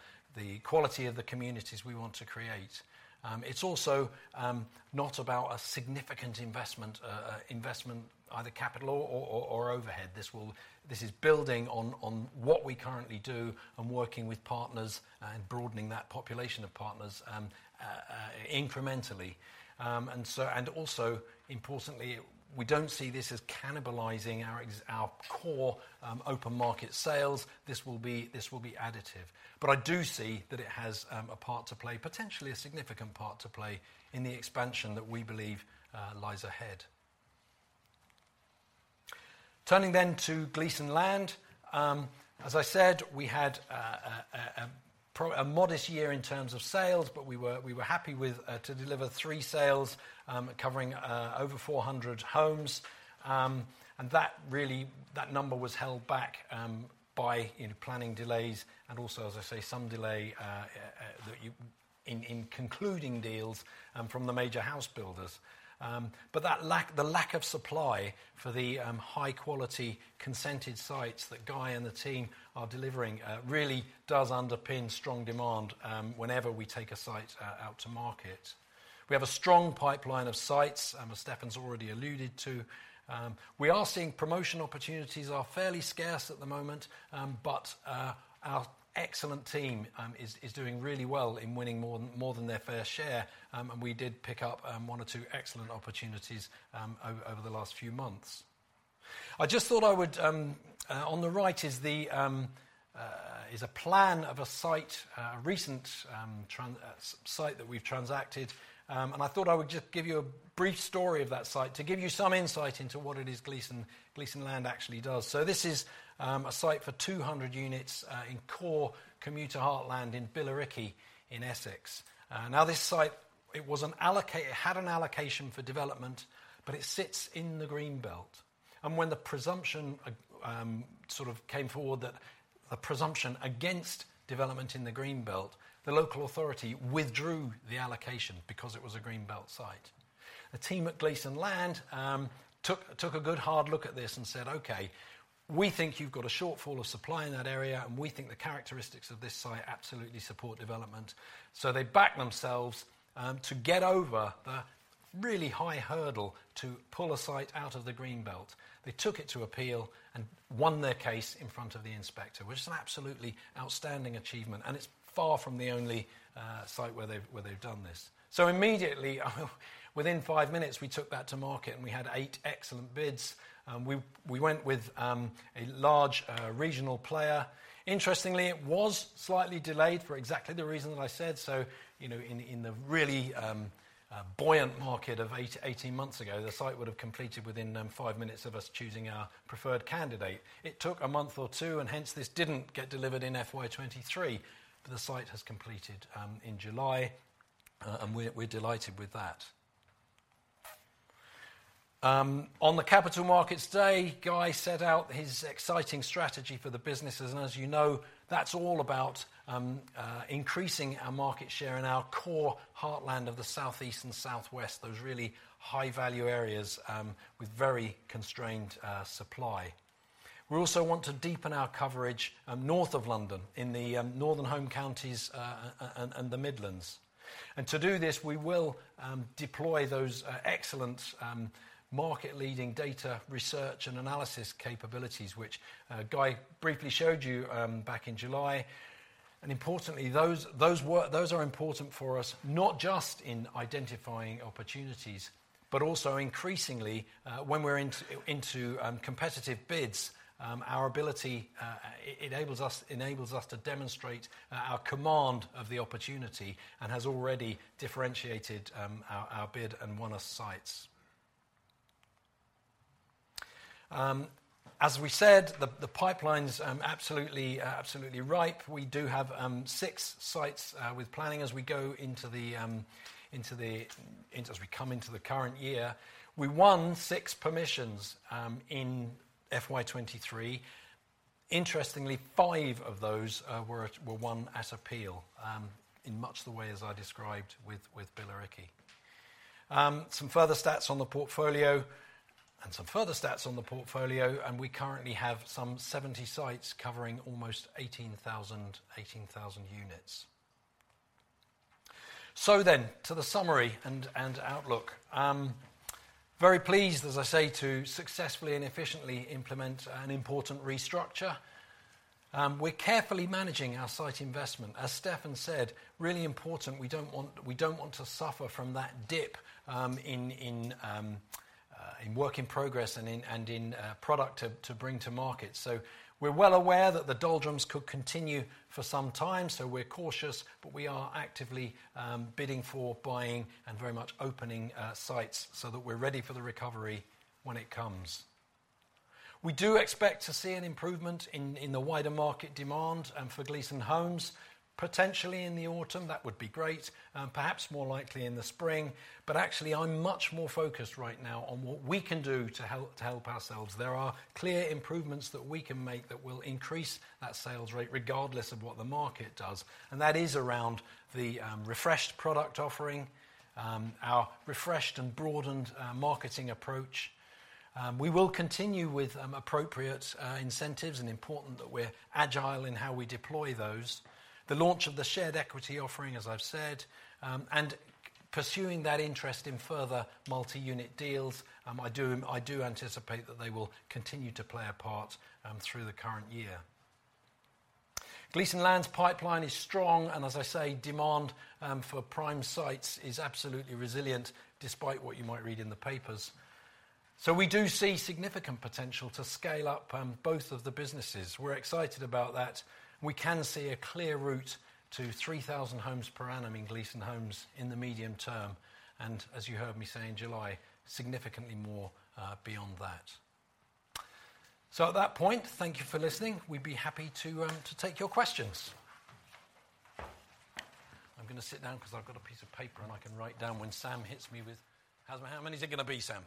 quality of the communities we want to create. It's also not about a significant investment, either capital or overhead. This is building on what we currently do and working with partners and broadening that population of partners, incrementally. And so, and also, importantly, we don't see this as cannibalizing our core open market sales. This will be, this will be additive. But I do see that it has a part to play, potentially a significant part to play, in the expansion that we believe lies ahead. Turning then to Gleeson Land. As I said, we had a modest year in terms of sales, but we were happy to deliver three sales covering over 400 homes. And that really, that number was held back by, you know, planning delays and also, as I say, some delay in concluding deals from the major house builders. But that lack, the lack of supply for the high-quality, consented sites that Guy and the team are delivering really does underpin strong demand whenever we take a site out to market. We have a strong pipeline of sites, as Stefan's already alluded to. We are seeing promotion opportunities are fairly scarce at the moment, but our excellent team is doing really well in winning more than their fair share. And we did pick up one or two excellent opportunities over the last few months. I just thought I would, on the right is a plan of a site, a recent transaction site that we've transacted. And I thought I would just give you a brief story of that site to give you some insight into what it is Gleeson Land actually does. This is a site for 200 units in core commuter heartland in Billericay, in Essex. Now, this site, it had an allocation for development, but it sits in the Green Belt. When the presumption sort of came forward, that the presumption against development in the Green Belt, the local authority withdrew the allocation because it was a Green Belt site. The team at Gleeson Land took a good, hard look at this and said, "Okay, we think you've got a shortfall of supply in that area, and we think the characteristics of this site absolutely support development." So they backed themselves to get over the really high hurdle to pull a site out of the Green Belt. They took it to appeal and won their case in front of the inspector, which is an absolutely outstanding achievement, and it's far from the only site where they've done this. So immediately, within five minutes, we took that to market, and we had eight excellent bids. We went with a large regional player. Interestingly, it was slightly delayed for exactly the reason that I said. So, you know, in the really buoyant market of 18 months ago, the site would have completed within five minutes of us choosing our preferred candidate. It took a month or two, and hence, this didn't get delivered in FY 2023. But the site has completed in July, and we're delighted with that. On the Capital Markets Day, Guy set out his exciting strategy for the businesses, and as you know, that's all about increasing our market share in our core heartland of the Southeast and Southwest, those really high-value areas with very constrained supply. We also want to deepen our coverage north of London, in the Northern Home Counties and the Midlands. To do this, we will deploy those excellent market-leading data, research, and analysis capabilities, which Guy briefly showed you back in July. Importantly, those are important for us, not just in identifying opportunities, but also increasingly when we're into competitive bids, our ability enables us to demonstrate our command of the opportunity and has already differentiated our bid and won us sites. As we said, the pipeline's absolutely ripe. We do have six sites with planning as we go into the current year. We won six permissions in FY 2023. Interestingly, five of those were won at appeal in much the way as I described with Billericay. Some further stats on the portfolio, and we currently have some 70 sites covering almost 18,000 units. So then, to the summary and outlook. Very pleased, as I say, to successfully and efficiently implement an important restructure. We're carefully managing our site investment. As Stefan said, really important, we don't want to suffer from that dip in work in progress and in product to bring to market. So we're well aware that the doldrums could continue for some time, so we're cautious, but we are actively bidding for, buying, and very much opening sites so that we're ready for the recovery when it comes. We do expect to see an improvement in the wider market demand for Gleeson Homes, potentially in the autumn. That would be great, perhaps more likely in the spring. But actually, I'm much more focused right now on what we can do to help ourselves. There are clear improvements that we can make that will increase that sales rate, regardless of what the market does, and that is around the refreshed product offering, our refreshed and broadened marketing approach. We will continue with appropriate incentives and important that we're agile in how we deploy those. The launch of the shared equity offering, as I've said, and pursuing that interest in further multi-unit deals. I do anticipate that they will continue to play a part through the current year. Gleeson Land's pipeline is strong, and as I say, demand for prime sites is absolutely resilient, despite what you might read in the papers. So we do see significant potential to scale up both of the businesses. We're excited about that. We can see a clear route to 3,000 homes per annum in Gleeson Homes in the medium term, and as you heard me say in July, significantly more beyond that. So at that point, thank you for listening. We'd be happy to take your questions. I'm gonna sit down 'cause I've got a piece of paper, and I can write down when Sam hits me with... How many is it gonna be, Sam?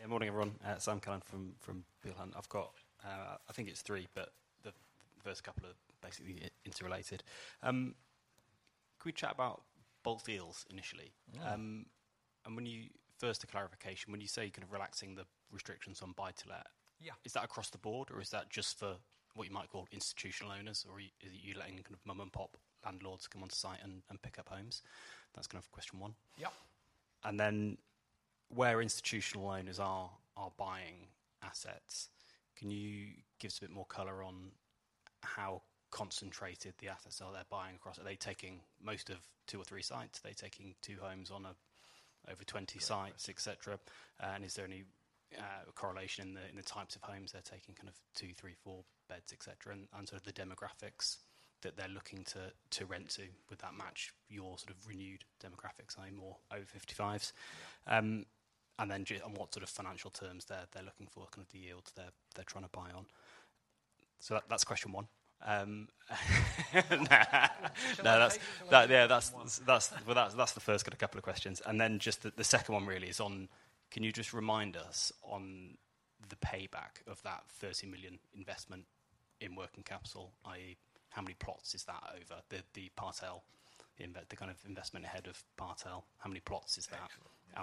Yeah, morning, everyone, Sam Cullen from Peel Hunt. I've got, I think it's three, but the first couple are basically interrelated. Could we chat about bulk deals initially? Yeah. And when you—first, a clarification: when you say you're kind of relaxing the restrictions on buy-to-let- Yeah.... is that across the board, or is that just for what you might call institutional owners? Or are you letting kind of mom-and-pop landlords come onto site and pick up homes? That's kind of question one. Yep. And then, where institutional owners are buying assets, can you give us a bit more color on how concentrated the assets are they're buying across? Are they taking most of two or three sites? Are they taking two homes on over 20 sites, et cetera? Right. And is there any correlation in the types of homes they're taking, kind of, two, three, four beds, et cetera, and sort of the demographics that they're looking to rent to? Would that match your sort of renewed demographics, i.e., more over 55s? And then on what sort of financial terms they're looking for, kind of, the yields they're trying to buy on? So that's question one. Take it away. Yeah, that's well, that's the first of a couple of questions. And then just the second one really is on, can you just remind us on the payback of that 30 million investment in working capital, i.e., how many plots is that over? The Part L invest-- the kind of investment ahead of Part L, how many plots is that? Yeah.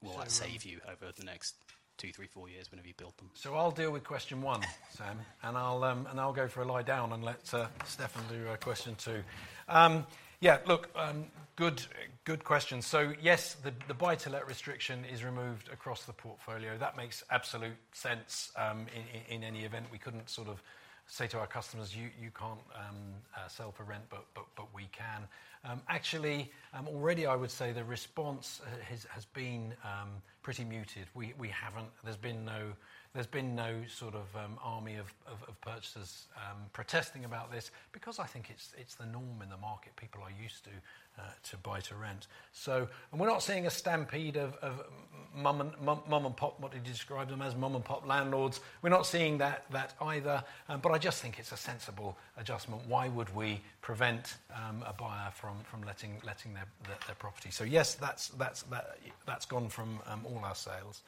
What will it save you over the next two, three, four years whenever you build them? So I'll deal with question one, Sam, and I'll go for a lie down and let Stefan do question two. Yeah, look, good questions. So yes, the buy-to-let restriction is removed across the portfolio. That makes absolute sense. In any event, we couldn't sort of say to our customers, "You can't sell for rent," but we can. Actually, already I would say the response has been pretty muted. We haven't. There's been no sort of army of purchasers protesting about this because I think it's the norm in the market. People are used to buy-to-rent. So... and we're not seeing a stampede of mom-and-pop, what do you describe them as? Mom-and-pop landlords. We're not seeing that either, but I just think it's a sensible adjustment. Why would we prevent a buyer from letting their property? So yes, that's gone from all our sales.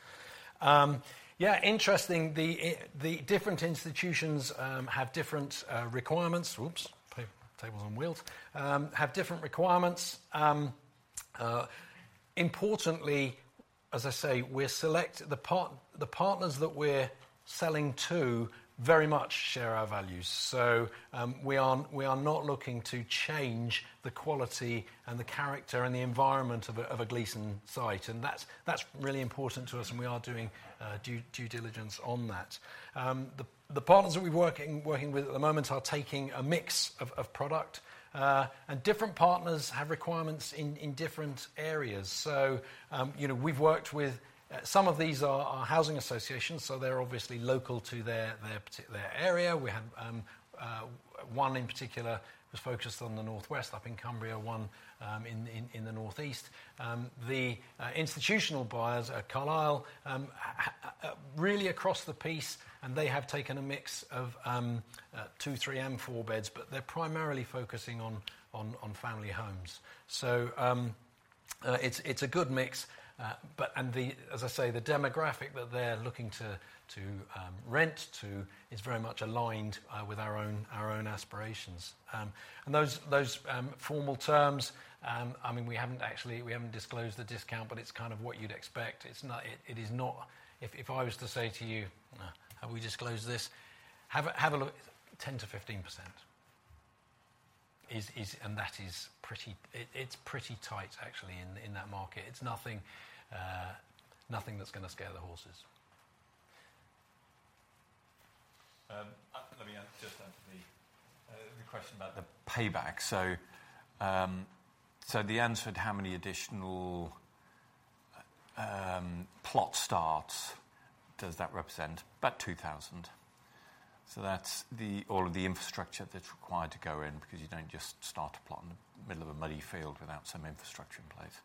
Yeah, interesting, the different institutions have different requirements. Whoops! Tables on wheels. Have different requirements. Importantly, as I say, we're selecting the partners that we're selling to very much share our values. So, we are not looking to change the quality and the character and the environment of a Gleeson site, and that's really important to us, and we are doing due diligence on that. The partners that we're working with at the moment are taking a mix of product. And different partners have requirements in different areas. So, you know, we've worked with some of these are housing associations, so they're obviously local to their area. We have one in particular is focused on the Northwest, up in Cumbria, one in the Northeast. The institutional buyers are Carlyle. Really across the piece, and they have taken a mix of two, three, and four beds, but they're primarily focusing on family homes. So, it's a good mix, but and the, as I say, the demographic that they're looking to rent to is very much aligned with our own aspirations. Those formal terms, I mean, we haven't actually, we haven't disclosed the discount, but it's kind of what you'd expect. It's not, it is not... If I was to say to you, "Have we disclosed this?" Have a look. 10%-15% is, and that is pretty tight actually, in that market. It's nothing, nothing that's gonna scare the horses. Let me just answer the question about the payback. So the answer to how many additional plot starts does that represent? About 2,000. So that's all of the infrastructure that's required to go in, because you don't just start a plot in the middle of a muddy field without some infrastructure in place.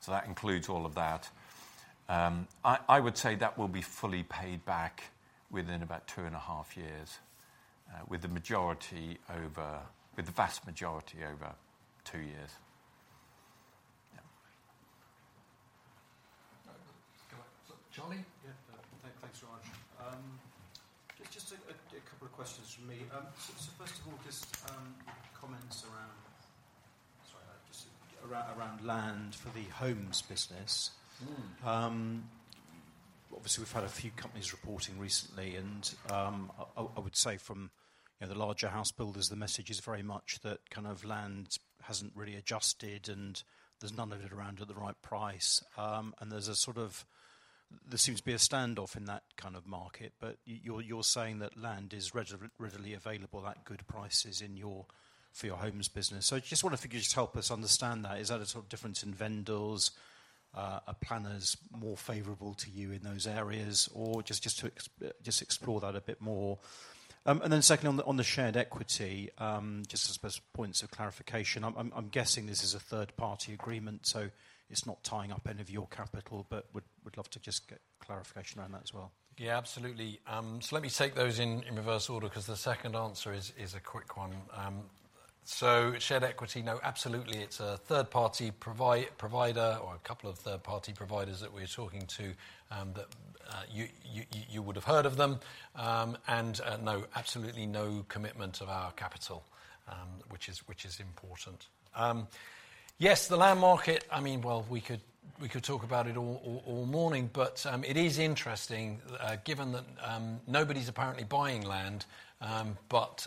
So that includes all of that. I would say that will be fully paid back within about two and a half years, with the vast majority over two years. Yeah. Go ahead. So, Charlie? Yeah, thanks so much. Just a couple of questions from me. So first of all, just comments around, sorry, just around land for the homes business. Mm. Obviously, we've had a few companies reporting recently, and I would say from, you know, the larger house builders, the message is very much that kind of land hasn't really adjusted, and there's none of it around at the right price. And there's a sort of, there seems to be a standoff in that kind of market. But you're saying that land is readily, readily available at good prices in your, for your homes business. So I just wonder if you could just help us understand that. Is that a sort of difference in vendors? Are planners more favorable to you in those areas? Or just to explore that a bit more. And then secondly, on the shared equity, just I suppose points of clarification. I'm guessing this is a third-party agreement, so it's not tying up any of your capital, but would love to just get clarification around that as well. Yeah, absolutely. So let me take those in reverse order, 'cause the second answer is a quick one. So shared equity, no, absolutely, it's a third-party provider or a couple of third-party providers that we're talking to, that you would have heard of them. And no, absolutely no commitment of our capital, which is important. Yes, the land market, I mean, well, we could talk about it all morning, but it is interesting, given that nobody's apparently buying land. But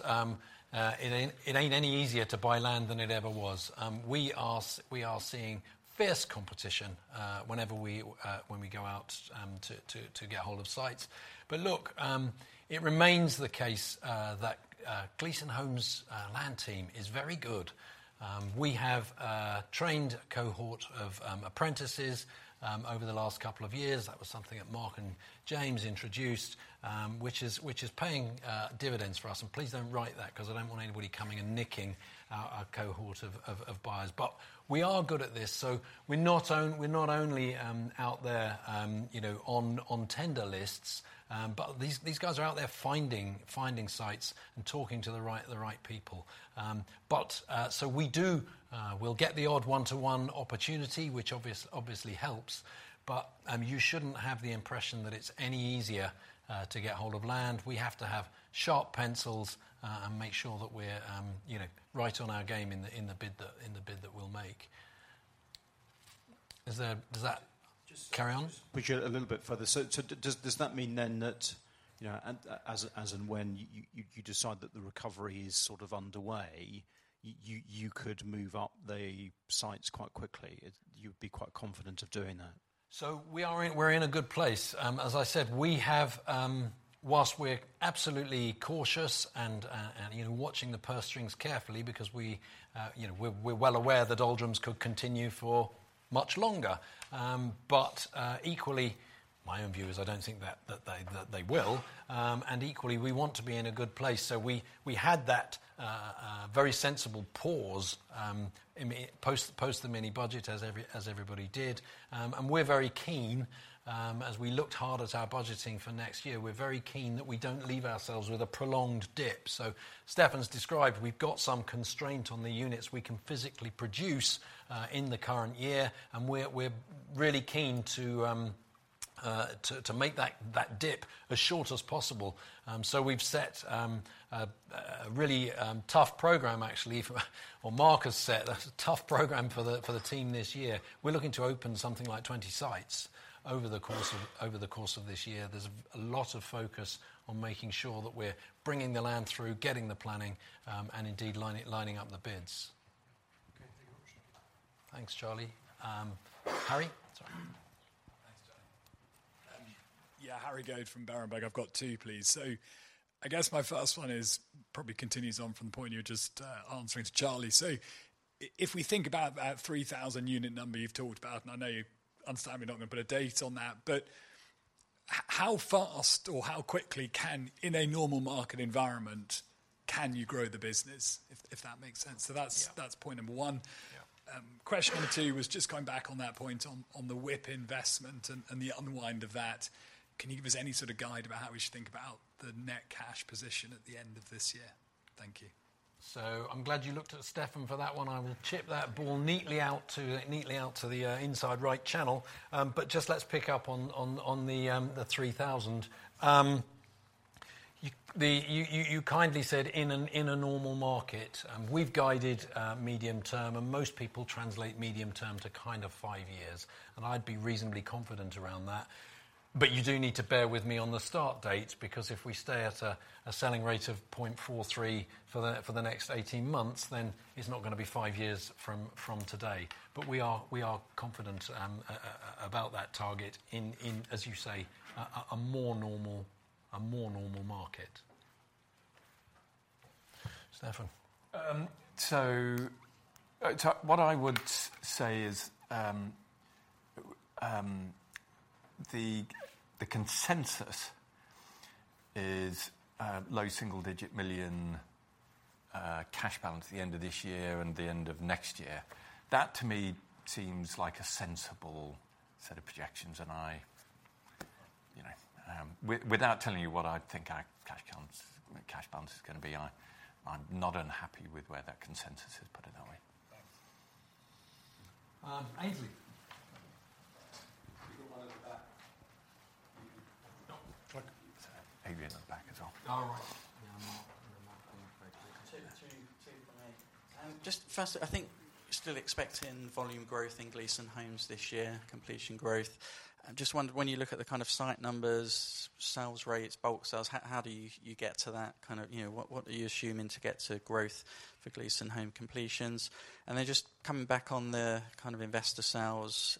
it ain't any easier to buy land than it ever was. We are seeing fierce competition whenever we go out to get hold of sites. But look, it remains the case that Gleeson Homes' land team is very good. We have a trained cohort of apprentices over the last couple of years. That was something that Mark and James introduced, which is paying dividends for us. And please don't write that 'cause I don't want anybody coming and nicking our cohort of buyers. But we are good at this, so we're not only out there, you know, on tender lists. But these guys are out there finding sites and talking to the right people. But so we do, we'll get the odd one-to-one opportunity, which obviously helps, but you shouldn't have the impression that it's any easier to get hold of land. We have to have sharp pencils and make sure that we're, you know, right on our game in the bid that we'll make. Is there... Does that- Just- Carry on.... push it a little bit further. So, does that mean then that, you know, and as and when you decide that the recovery is sort of underway, you could move up the sites quite quickly? You'd be quite confident of doing that. So we are in, we're in a good place. As I said, we have while we're absolutely cautious and you know watching the purse strings carefully because we you know we're well aware the doldrums could continue for much longer. But equally, my own view is I don't think that they will. And equally, we want to be in a good place. So we had that very sensible pause post the Mini-Budget, as everybody did. And we're very keen as we looked hard at our budgeting for next year, we're very keen that we don't leave ourselves with a prolonged dip. So Stefan's described, we've got some constraint on the units we can physically produce in the current year, and we're really keen to make that dip as short as possible. So we've set a really tough program, actually, for... Well, Mark has set a tough program for the team this year. We're looking to open something like 20 sites over the course of this year. There's a lot of focus on making sure that we're bringing the land through, getting the planning, and indeed, lining up the bids. Okay, thank you very much. Thanks, Charlie. Harry? Sorry. Thanks, Charlie. Yeah, Harry Goad from Berenberg. I've got two, please. So I guess my first one is, probably continues on from the point you were just answering to Charlie. So if we think about that 3,000 unit number you've talked about, and I know you understandably not gonna put a date on that, but how fast or how quickly, in a normal market environment, can you grow the business? If that makes sense. Yeah. So that's, that's point number one. Yeah. Question number two was just going back on that point on the WIP investment and the unwind of that. Can you give us any sort of guide about how we should think about the net cash position at the end of this year? Thank you. So I'm glad you looked at Stefan for that one. I will chip that ball neatly out to the inside right channel. But just let's pick up on the 3,000. You kindly said in a normal market, we've guided medium term, and most people translate medium term to kind of five years, and I'd be reasonably confident around that. But you do need to bear with me on the start date, because if we stay at a selling rate of 0.43 for the next 18 months, then it's not gonna be five years from today. But we are confident about that target in, as you say, a more normal market. Stefan? So, what I would say is, the consensus is, low single-digit million cash balance at the end of this year and the end of next year. That, to me, seems like a sensible set of projections, and I, you know, without telling you what I think our cash balance, cash balance is gonna be, I, I'm not unhappy with where that consensus has put it that way. Thanks. Um, Aynsley? We've got one over the back. What? Aynsley in the back as well. All right. Yeah, Mark. Mark, 2, 2, 2 for me. Just first, I think we're still expecting volume growth in Gleeson Homes this year, completion growth. I'm just wonder, when you look at the kind of site numbers, sales rates, bulk sales, how do you get to that kind of... You know, what are you assuming to get to growth for Gleeson Homes completions? And then just coming back on the kind of investor sales,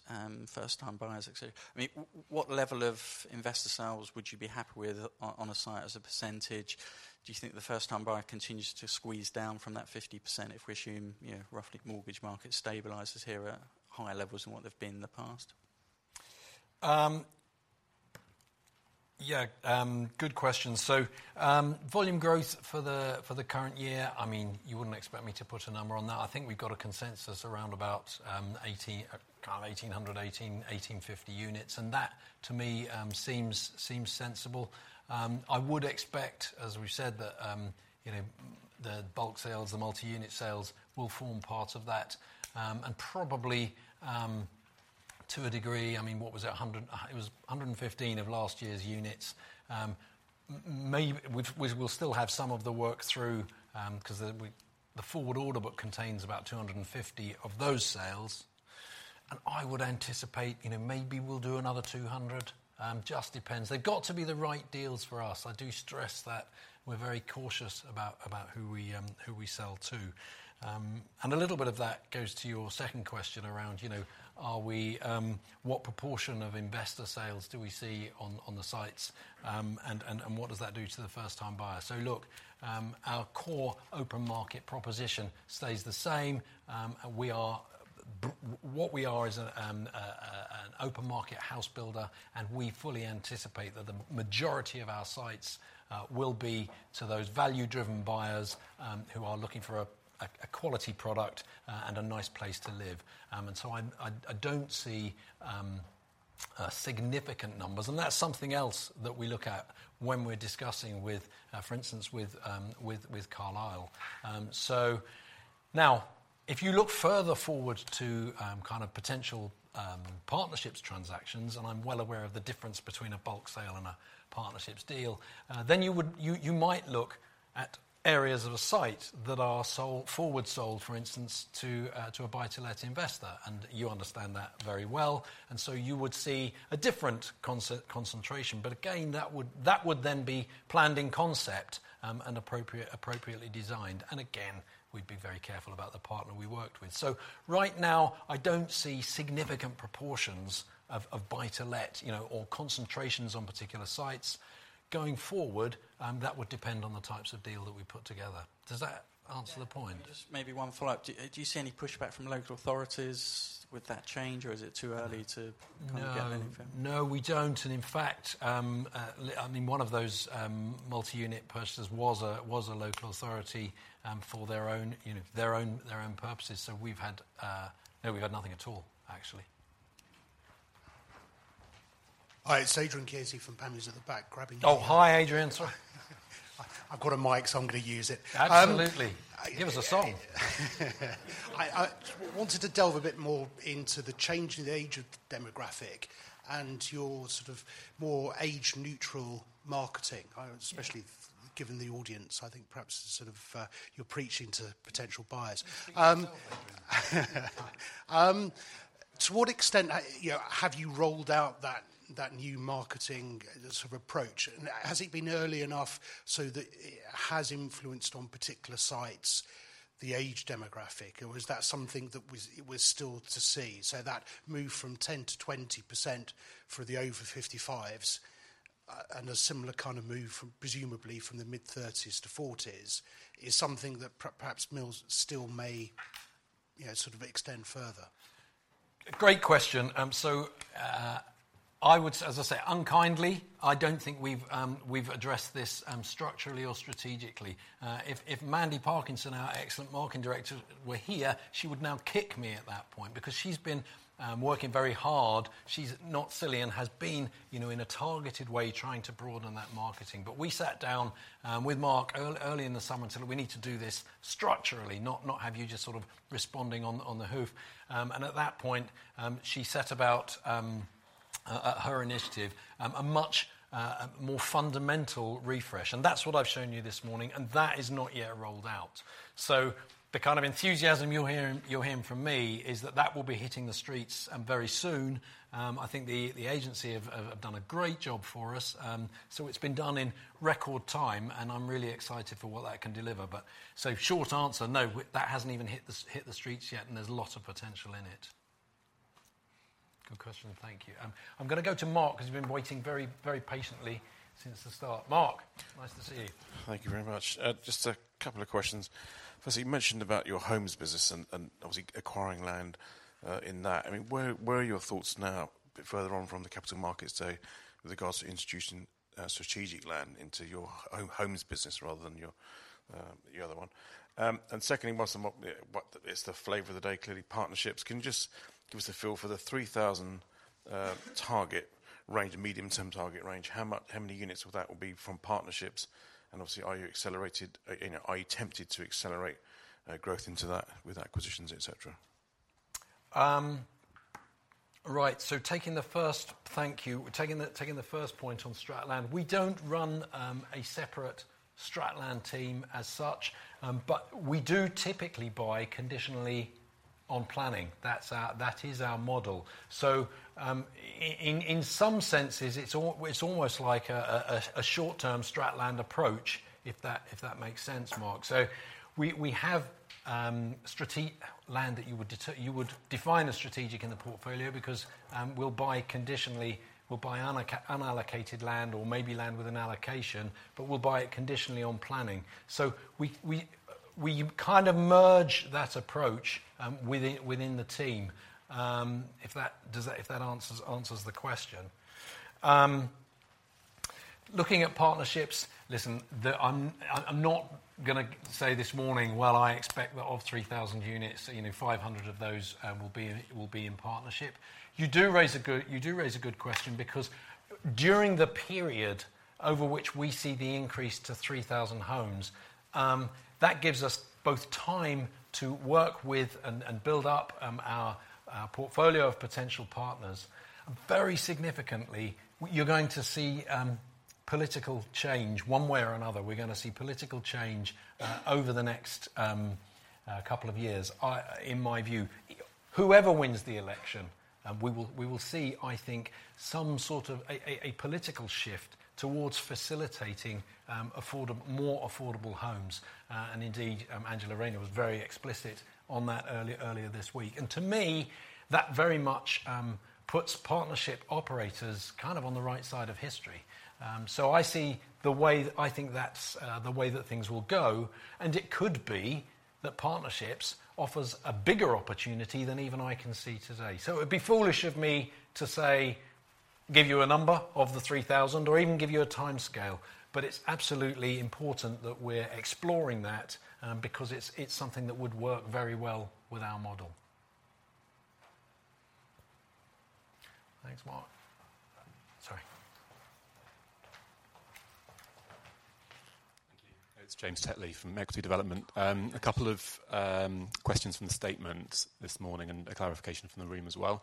first time buyers, et cetera. I mean, what level of investor sales would you be happy with on a site as a percentage? Do you think the first time buyer continues to squeeze down from that 50%, if we assume, you know, roughly mortgage market stabilizes here at higher levels than what they've been in the past? Yeah, good question. So, volume growth for the current year, I mean, you wouldn't expect me to put a number on that. I think we've got a consensus around about 1,800, kind of 1,800, 1,850 units, and that, to me, seems sensible. I would expect, as we've said, that, you know, the bulk sales, the multi-unit sales will form part of that. And probably, to a degree, I mean, what was it? 100, it was 115 of last year's units. We'll still have some of the work through, 'cause the forward order book contains about 250 of those sales. And I would anticipate, you know, maybe we'll do another 200, just depends. They've got to be the right deals for us. I do stress that we're very cautious about who we sell to. And a little bit of that goes to your second question around, you know, are we what proportion of investor sales do we see on the sites, and what does that do to the first-time buyer? So look, our core open market proposition stays the same. And what we are is an open market house builder, and we fully anticipate that the majority of our sites will be to those value-driven buyers, who are looking for a quality product, and a nice place to live. And so I don't see significant numbers, and that's something else that we look at when we're discussing with, for instance, with Carlyle. So now, if you look further forward to kind of potential partnerships, transactions, and I'm well aware of the difference between a bulk sale and a partnership deal, then you might look at areas of a site that are sold, forward sold, for instance, to a buy-to-let investor, and you understand that very well. And so you would see a different concentration, but again, that would then be planned in concept, and appropriately designed. And again, we'd be very careful about the partner we worked with. So right now, I don't see significant proportions of buy-to-let, you know, or concentrations on particular sites. Going forward, that would depend on the types of deal that we put together. Does that answer the point? Yeah, just maybe one follow-up. Do you see any pushback from local authorities with that change, or is it too early to kind of get anything? No. No, we don't, and in fact, I mean, one of those multi-unit purchasers was a local authority for their own, you know, their own, their own purposes. So we've had no, we've had nothing at all, actually. Hi, it's Adrian Kearsey from Panmure at the back, grabbing you- Oh, hi, Adrian. Sorry. I've got a mic, so I'm gonna use it. Absolutely. Um- Give us a song. I wanted to delve a bit more into the changing age of demographic and your sort of more age-neutral marketing. Especially given the audience, I think perhaps sort of, you're preaching to potential buyers. To what extent, you know, have you rolled out that new marketing sort of approach, and has it been early enough so that it has influenced on particular sites, the age demographic? Or is that something that we're still to see, so that move from 10%-20% for the over 55s, and a similar kind of move from presumably from the mid-30s to 40s, is something that perhaps Gleeson still may, you know, sort of extend further? Great question. I would say, as I say, unkindly, I don't think we've, we've addressed this structurally or strategically. If, if Mandy Parkinson, our excellent Marketing Director, were here, she would now kick me at that point because she's been working very hard. She's not silly and has been, you know, in a targeted way, trying to broaden that marketing. But we sat down with Mark early in the summer and said, "We need to do this structurally, not, not have you just sort of responding on, on the hoof." And at that point, she set about her initiative, a much more fundamental refresh, and that's what I've shown you this morning, and that is not yet rolled out. So the kind of enthusiasm you're hearing, you're hearing from me is that that will be hitting the streets very soon. I think the agency have done a great job for us. So it's been done in record time, and I'm really excited for what that can deliver. But so short answer, no, that hasn't even hit the streets yet, and there's a lot of potential in it. Good question. Thank you. I'm gonna go to Mark, who's been waiting very, very patiently since the start. Mark, nice to see you. Thank you very much. Just a couple of questions. First, you mentioned about your homes business and, and obviously acquiring land in that. I mean, where are your thoughts now, a bit further on from the Capital Markets Day, with regards to introducing strategic land into your homes business rather than your other one? And secondly, what is the flavor of the day? Clearly, partnerships. Can you just give us a feel for the 3,000 target range, medium-term target range? How many units of that will be from partnerships, and obviously, are you accelerated, you know, are you tempted to accelerate growth into that with acquisitions, et cetera? Right. So taking the first point on strat land, we don't run a separate strat land team as such, but we do typically buy conditionally on planning. That's our, that is our model. So, in some senses, it's almost like a short-term strat land approach, if that makes sense, Mark. So we have strategic land that you would define as strategic in the portfolio, because we'll buy conditionally. We'll buy unallocated land or maybe land with an allocation, but we'll buy it conditionally on planning. So we kind of merge that approach within the team. If that answers the question. Looking at partnerships, listen, the... I'm not gonna say this morning, well, I expect that of 3,000 units, you know, 500 of those will be in partnership. You do raise a good question because during the period over which we see the increase to 3,000 homes, that gives us both time to work with and build up our portfolio of potential partners. Very significantly, you're going to see political change, one way or another, we're gonna see political change over the next couple of years. In my view, whoever wins the election, we will see, I think, some sort of a political shift towards facilitating more affordable homes. And indeed, Angela Rayner was very explicit on that earlier this week. To me, that very much puts partnership operators kind of on the right side of history. So I see the way. I think that's the way that things will go, and it could be that partnerships offers a bigger opportunity than even I can see today. So it'd be foolish of me to say, give you a number of the 3,000 or even give you a timescale, but it's absolutely important that we're exploring that, because it's, it's something that would work very well with our model. Thanks, Mark. Sorry. Thank you. It's James Tetley from Equity Development. A couple of questions from the statement this morning and a clarification from the room as well.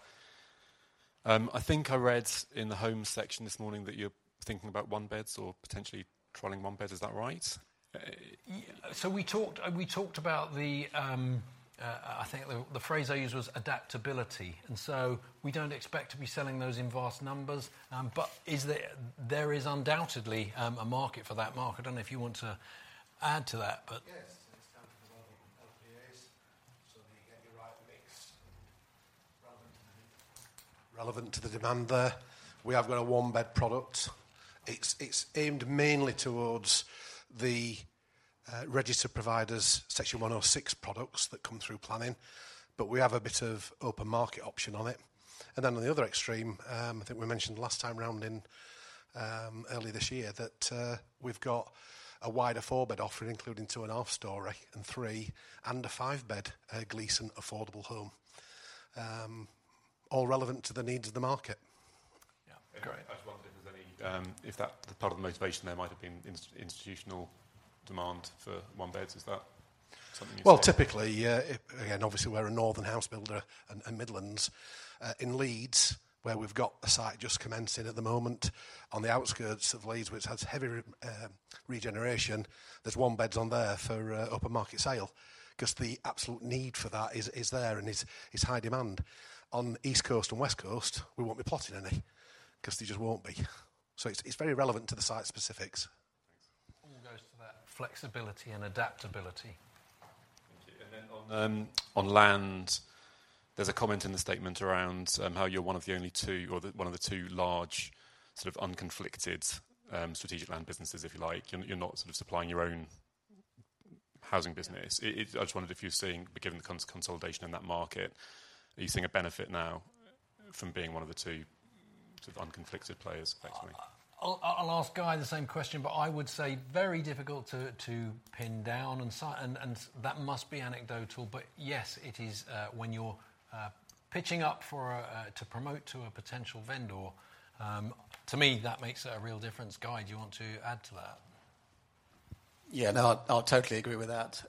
I think I read in the home section this morning that you're thinking about one beds or potentially trialing one beds. Is that right? So we talked, we talked about the, I think the phrase I used was adaptability, and so we don't expect to be selling those in vast numbers. But there is undoubtedly a market for that, Mark. I don't know if you want to add to that, but- Yes, it's down to the LPAs, so that you get the right mix relevant to the, relevant to the demand there. We have got a one-bed product. It's, it's aimed mainly towards the registered providers, Section 106 products that come through planning, but we have a bit of open market option on it. And then on the other extreme, I think we mentioned last time around in earlier this year, that we've got a wider four-bed offering, including two and a half story and three-, and a five-bed Gleeson affordable home. All relevant to the needs of the market. Yeah. Great. I just wondered if there's any, if that part of the motivation there might have been institutional demand for one beds. Is that something you saw? Well, typically, yeah, it again, obviously, we're a northern house builder and and Midlands. In Leeds, where we've got a site just commencing at the moment, on the outskirts of Leeds, which has heavy regeneration, there's one-beds on there for open market sale, 'cause the absolute need for that is there, and it's high demand. On East Coast and West Coast, we won't be plotting any 'cause there just won't be. So it's very relevant to the site specifics. Thanks. All goes to that flexibility and adaptability. Thank you. And then on land, there's a comment in the statement around how you're one of the only two or one of the two large, sort of, unconflicted, strategic land businesses, if you like, and you're not sort of supplying your own housing business. I just wondered if you're seeing, given the consolidation in that market, are you seeing a benefit now from being one of the two, sort of, unconflicted players effectively? I'll ask Guy the same question, but I would say very difficult to pin down, and that must be anecdotal, but yes, it is when you're pitching up for a to promote to a potential vendor, to me, that makes a real difference. Guy, do you want to add to that? Yeah, no, I, I totally agree with that.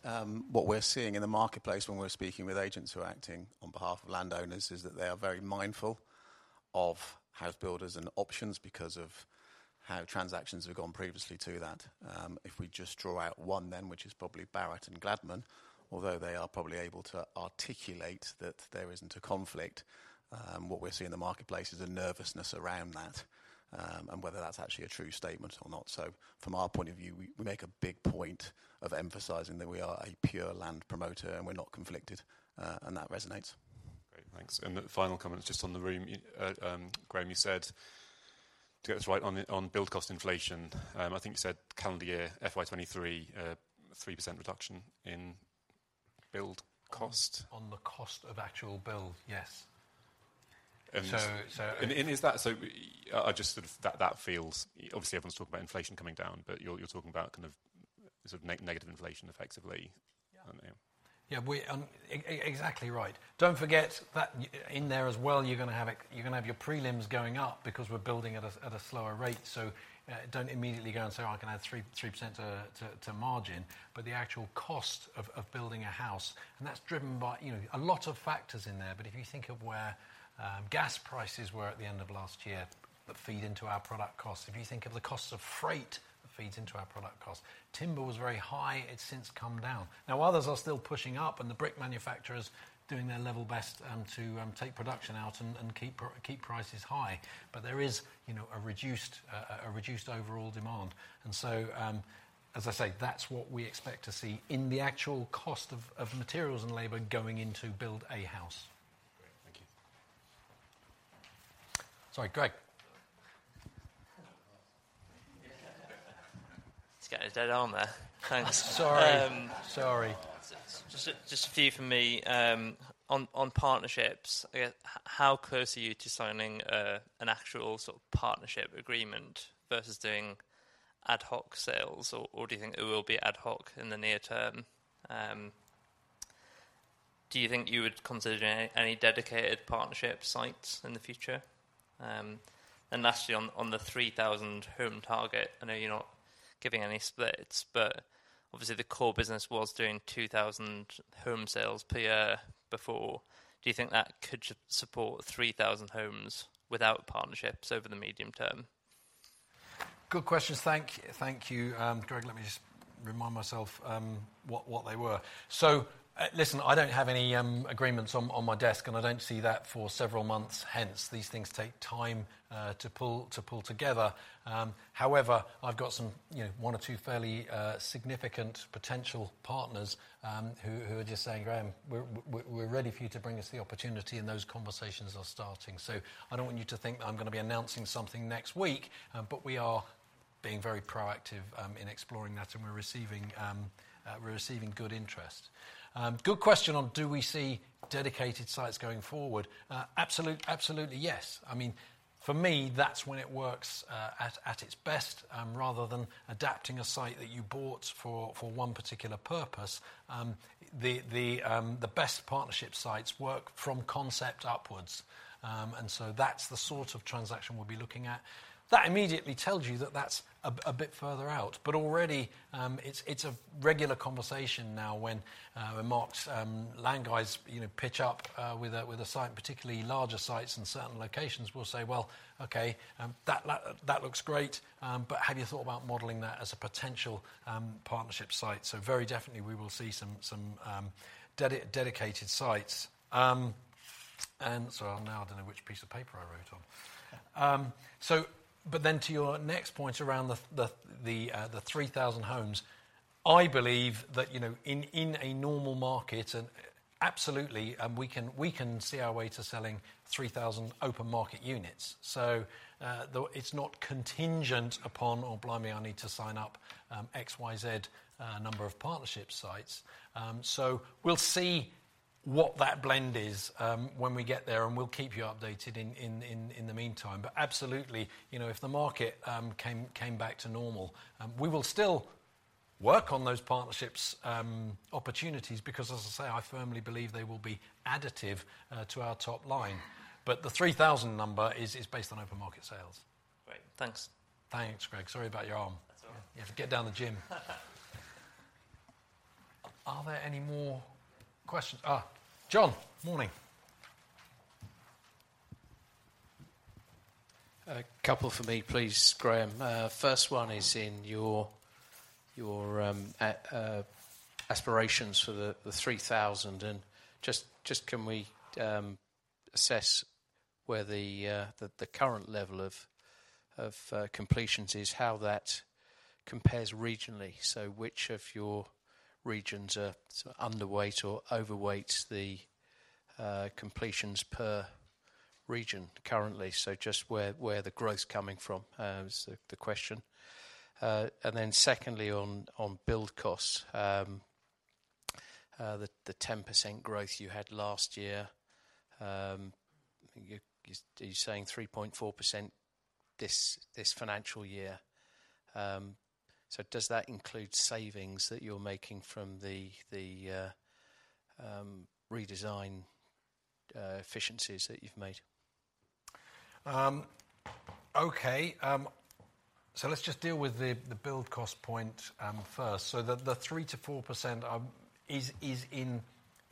What we're seeing in the marketplace when we're speaking with agents who are acting on behalf of landowners is that they are very mindful of house builders and options because of how transactions have gone previously to that. If we just draw out one then, which is probably Barratt and Gladman, although they are probably able to articulate that there isn't a conflict, what we're seeing in the marketplace is a nervousness around that, and whether that's actually a true statement or not. So from our point of view, we, we make a big point of emphasizing that we are a pure land promoter, and we're not conflicted, and that resonates. Great, thanks. The final comment is just on the room. Graham, you said, to get this right, on build cost inflation, I think you said calendar year FY 2023, 3% reduction in build cost? On the cost of actual build, yes. And- So, so- Is that so? I just sort of that feels, obviously, everyone's talking about inflation coming down, but you're talking about kind of sort of negative inflation, effectively. Yeah. Yeah. Yeah, we... Exactly right. Don't forget that in there as well, you're gonna have your prelims going up because we're building at a slower rate. So, don't immediately go and say, "I can add 3% to margin," but the actual cost of building a house, and that's driven by, you know, a lot of factors in there. But if you think of where gas prices were at the end of last year, that feed into our product costs, if you think of the costs of freight, that feeds into our product cost. Timber was very high, it's since come down. Now, others are still pushing up, and the brick manufacturers doing their level best to take production out and keep prices high. But there is, you know, a reduced overall demand. And so, as I say, that's what we expect to see in the actual cost of materials and labor going in to build a house. Great, thank you. Sorry, Greg. Just getting this dead arm there. Thanks. Sorry. Sorry. Just, just a few from me. On partnerships, again, how close are you to signing an actual sort of partnership agreement versus doing ad hoc sales, or do you think it will be ad hoc in the near term? Do you think you would consider any dedicated partnership sites in the future? And lastly, on the 3,000 home target, I know you're not... giving any splits, but obviously the core business was doing 2,000 home sales per year before. Do you think that could support 3,000 homes without partnerships over the medium term? Good questions. Thank you, Greg. Let me just remind myself what they were. So, listen, I don't have any agreements on my desk, and I don't see that for several months hence. These things take time to pull together. However, I've got some, you know, one or two fairly significant potential partners who are just saying, "Graham, we're ready for you to bring us the opportunity," and those conversations are starting. So I don't want you to think that I'm gonna be announcing something next week. But we are being very proactive in exploring that, and we're receiving good interest. Good question on do we see dedicated sites going forward? Absolutely, yes. I mean, for me, that's when it works at its best, rather than adapting a site that you bought for one particular purpose. The best partnership sites work from concept upwards. And so that's the sort of transaction we'll be looking at. That immediately tells you that that's a bit further out. But already, it's a regular conversation now when Mark's land guys, you know, pitch up with a site, particularly larger sites in certain locations. We'll say, "Well, okay, that looks great, but have you thought about modeling that as a potential partnership site?" So very definitely we will see some dedicated sites. And so now I don't know which piece of paper I wrote on. So but then to your next point around the the three thousand homes, I believe that, you know, in a normal market, and absolutely, we can, we can see our way to selling 3,000 open market units. So, though it's not contingent upon, oh, blimey, I need to sign up, X, Y, Z, number of partnership sites. So we'll see what that blend is, when we get there, and we'll keep you updated in the meantime. But absolutely, you know, if the market came back to normal, we will still work on those partnerships opportunities, because, as I say, I firmly believe they will be additive to our top line. But the 3,000 number is based on open market sales. Great. Thanks. Thanks, Greg. Sorry about your arm. That's all right. You have to get down the gym. Are there any more questions? Ah, John, morning. A couple for me, please, Graham. First one is in your aspirations for the 3,000, and just can we assess where the current level of completions is, how that compares regionally? So which of your regions are sort of underweight or overweight the completions per region currently? So just where the growth's coming from is the question. And then secondly, on build costs, the 10% growth you had last year, are you saying 3.4% this financial year? So does that include savings that you're making from the redesign efficiencies that you've made? Okay, so let's just deal with the build cost point first. So the 3%-4% is in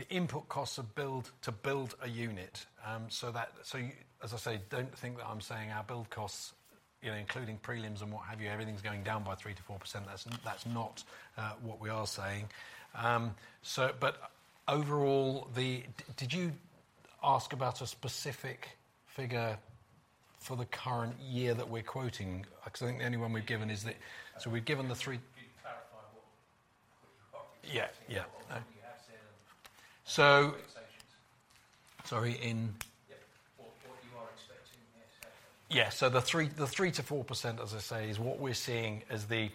the input costs of build to build a unit. So that, so you... As I say, don't think that I'm saying our build costs, you know, including prelims and what have you, everything's going down by 3%-4%. That's not what we are saying. So but overall, the-- Did you ask about a specific figure for the current year that we're quoting? Because I think the only one we've given is the- Yeah. So we've given the three- Can you clarify what? Yeah. Yeah. What you have said- So- Expectations. Sorry, in? Yeah, what you are expecting this... Yeah. So the 3%-4%, as I say, is what we're seeing as the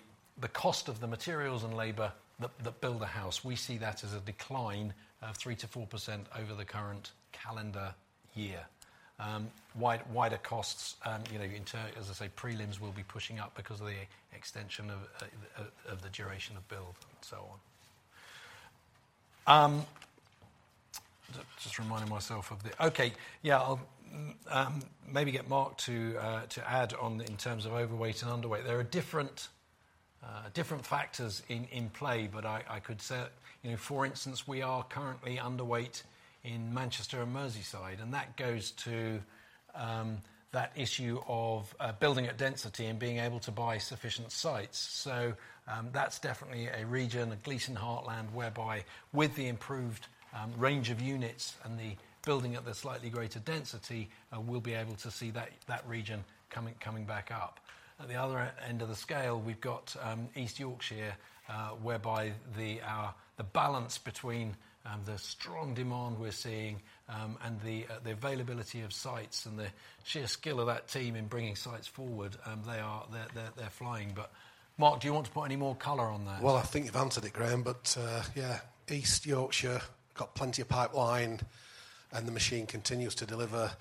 cost of the materials and labor that build a house. We see that as a decline of 3%-4% over the current calendar year. Wider costs, you know, in terms, as I say, prelims will be pushing up because of the extension of the duration of build and so on. Just reminding myself of the... Okay. Yeah, I'll maybe get Mark to add on in terms of overweight and underweight. There are different factors in play, but I could say, you know, for instance, we are currently underweight in Manchester and Merseyside, and that goes to that issue of building at density and being able to buy sufficient sites. So, that's definitely a region, a Gleeson heartland, whereby with the improved range of units and the building at a slightly greater density, we'll be able to see that region coming back up. At the other end of the scale, we've got East Yorkshire, whereby the balance between the strong demand we're seeing and the availability of sites and the sheer skill of that team in bringing sites forward, they're flying. But Mark, do you want to put any more color on that? Well, I think you've answered it, Graham. But, yeah, East Yorkshire got plenty of pipeline, and the machine continues to deliver.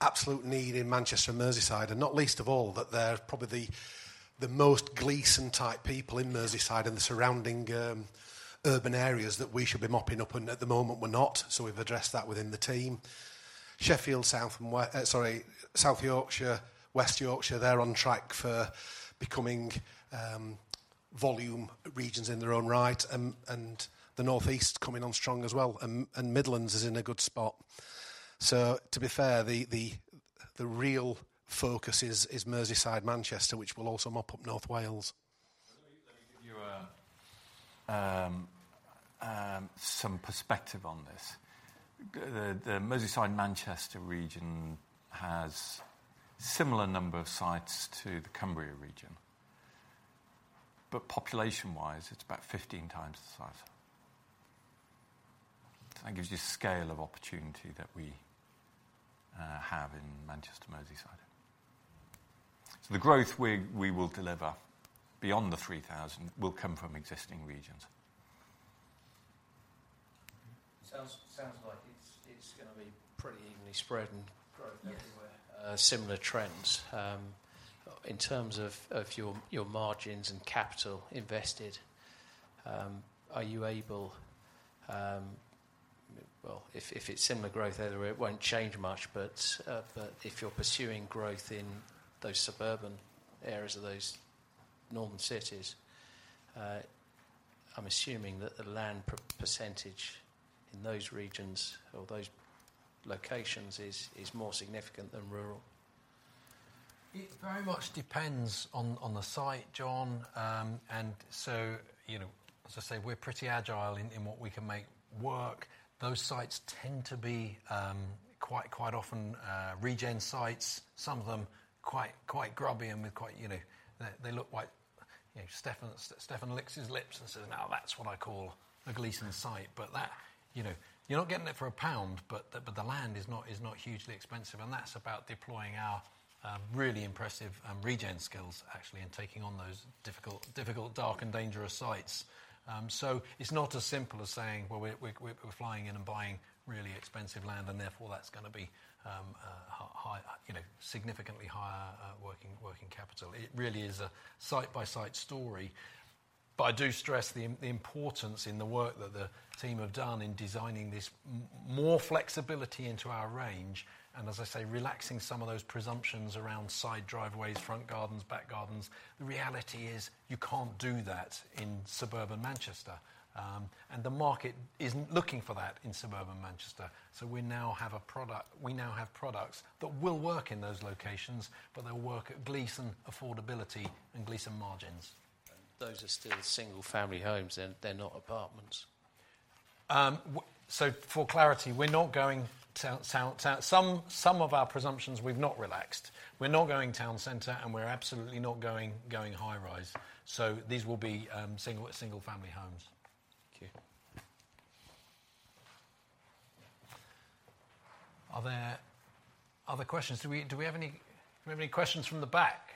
Absolute need in Manchester and Merseyside, and not least of all, that they're probably the most Gleeson-type people in Merseyside and the surrounding urban areas that we should be mopping up, and at the moment, we're not, so we've addressed that within the team. Sheffield, South and West, sorry, South Yorkshire, West Yorkshire, they're on track for becoming volume regions in their own right. And the North East is coming on strong as well, and Midlands is in a good spot. So, to be fair, the real focus is Merseyside, Manchester, which will also mop up North Wales. Let me, let me give you some perspective on this. The Merseyside, Manchester region has similar number of sites to the Cumbria region, but population-wise, it's about 15 times the size. That gives you scale of opportunity that we have in Manchester, Merseyside. So the growth we will deliver beyond the 3,000 will come from existing regions. Sounds like it's gonna be pretty evenly spread and- Yes. Growth everywhere.... similar trends. In terms of your margins and capital invested, are you able... Well, if it's similar growth, it won't change much. But if you're pursuing growth in those suburban areas of those northern cities, I'm assuming that the land percentage in those regions or those locations is more significant than rural. It very much depends on the site, John. And so, you know, as I say, we're pretty agile in what we can make work. Those sites tend to be quite often regen sites. Some of them quite grubby, and with quite, you know... They look like, you know, Stefan licks his lips and says, "Now, that's what I call a Gleeson site." But that, you know, you're not getting it for a pound, but the land is not hugely expensive, and that's about deploying our really impressive regen skills, actually, in taking on those difficult dark and dangerous sites. So it's not as simple as saying, well, we're flying in and buying really expensive land, and therefore, that's gonna be high, you know, significantly higher working capital. It really is a site-by-site story. But I do stress the importance in the work that the team have done in designing this more flexibility into our range, and as I say, relaxing some of those presumptions around side driveways, front gardens, back gardens. The reality is, you can't do that in suburban Manchester, and the market isn't looking for that in suburban Manchester. So we now have products that will work in those locations, but they'll work at Gleeson affordability and Gleeson margins. Those are still single-family homes, they're not apartments? So for clarity, we're not going town to town. Some of our presumptions we've not relaxed. We're not going town center, and we're absolutely not going high rise. So these will be single-family homes. Thank you. Are there other questions? Do we have any questions from the back?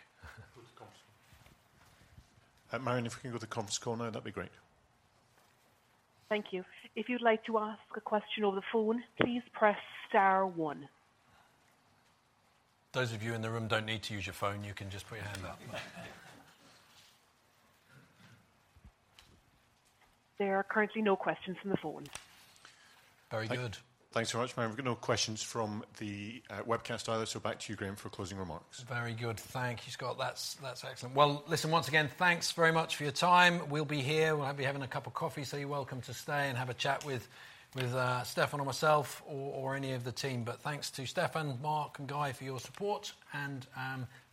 Marion, if we can go to the conference call now, that'd be great. Thank you. If you'd like to ask a question over the phone, please press star one. Those of you in the room don't need to use your phone. You can just put your hand up. There are currently no questions on the phone. Very good. Thanks so much, Marion. We've got no questions from the webcast either, so back to you, Graham, for closing remarks. Very good. Thank you, Scott. That's, that's excellent. Well, listen, once again, thanks very much for your time. We'll be here. We'll have you having a cup of coffee, so you're welcome to stay and have a chat with Stefan or myself or any of the team. But thanks to Stefan, Mark, and Guy for your support and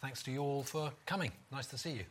thanks to you all for coming. Nice to see you.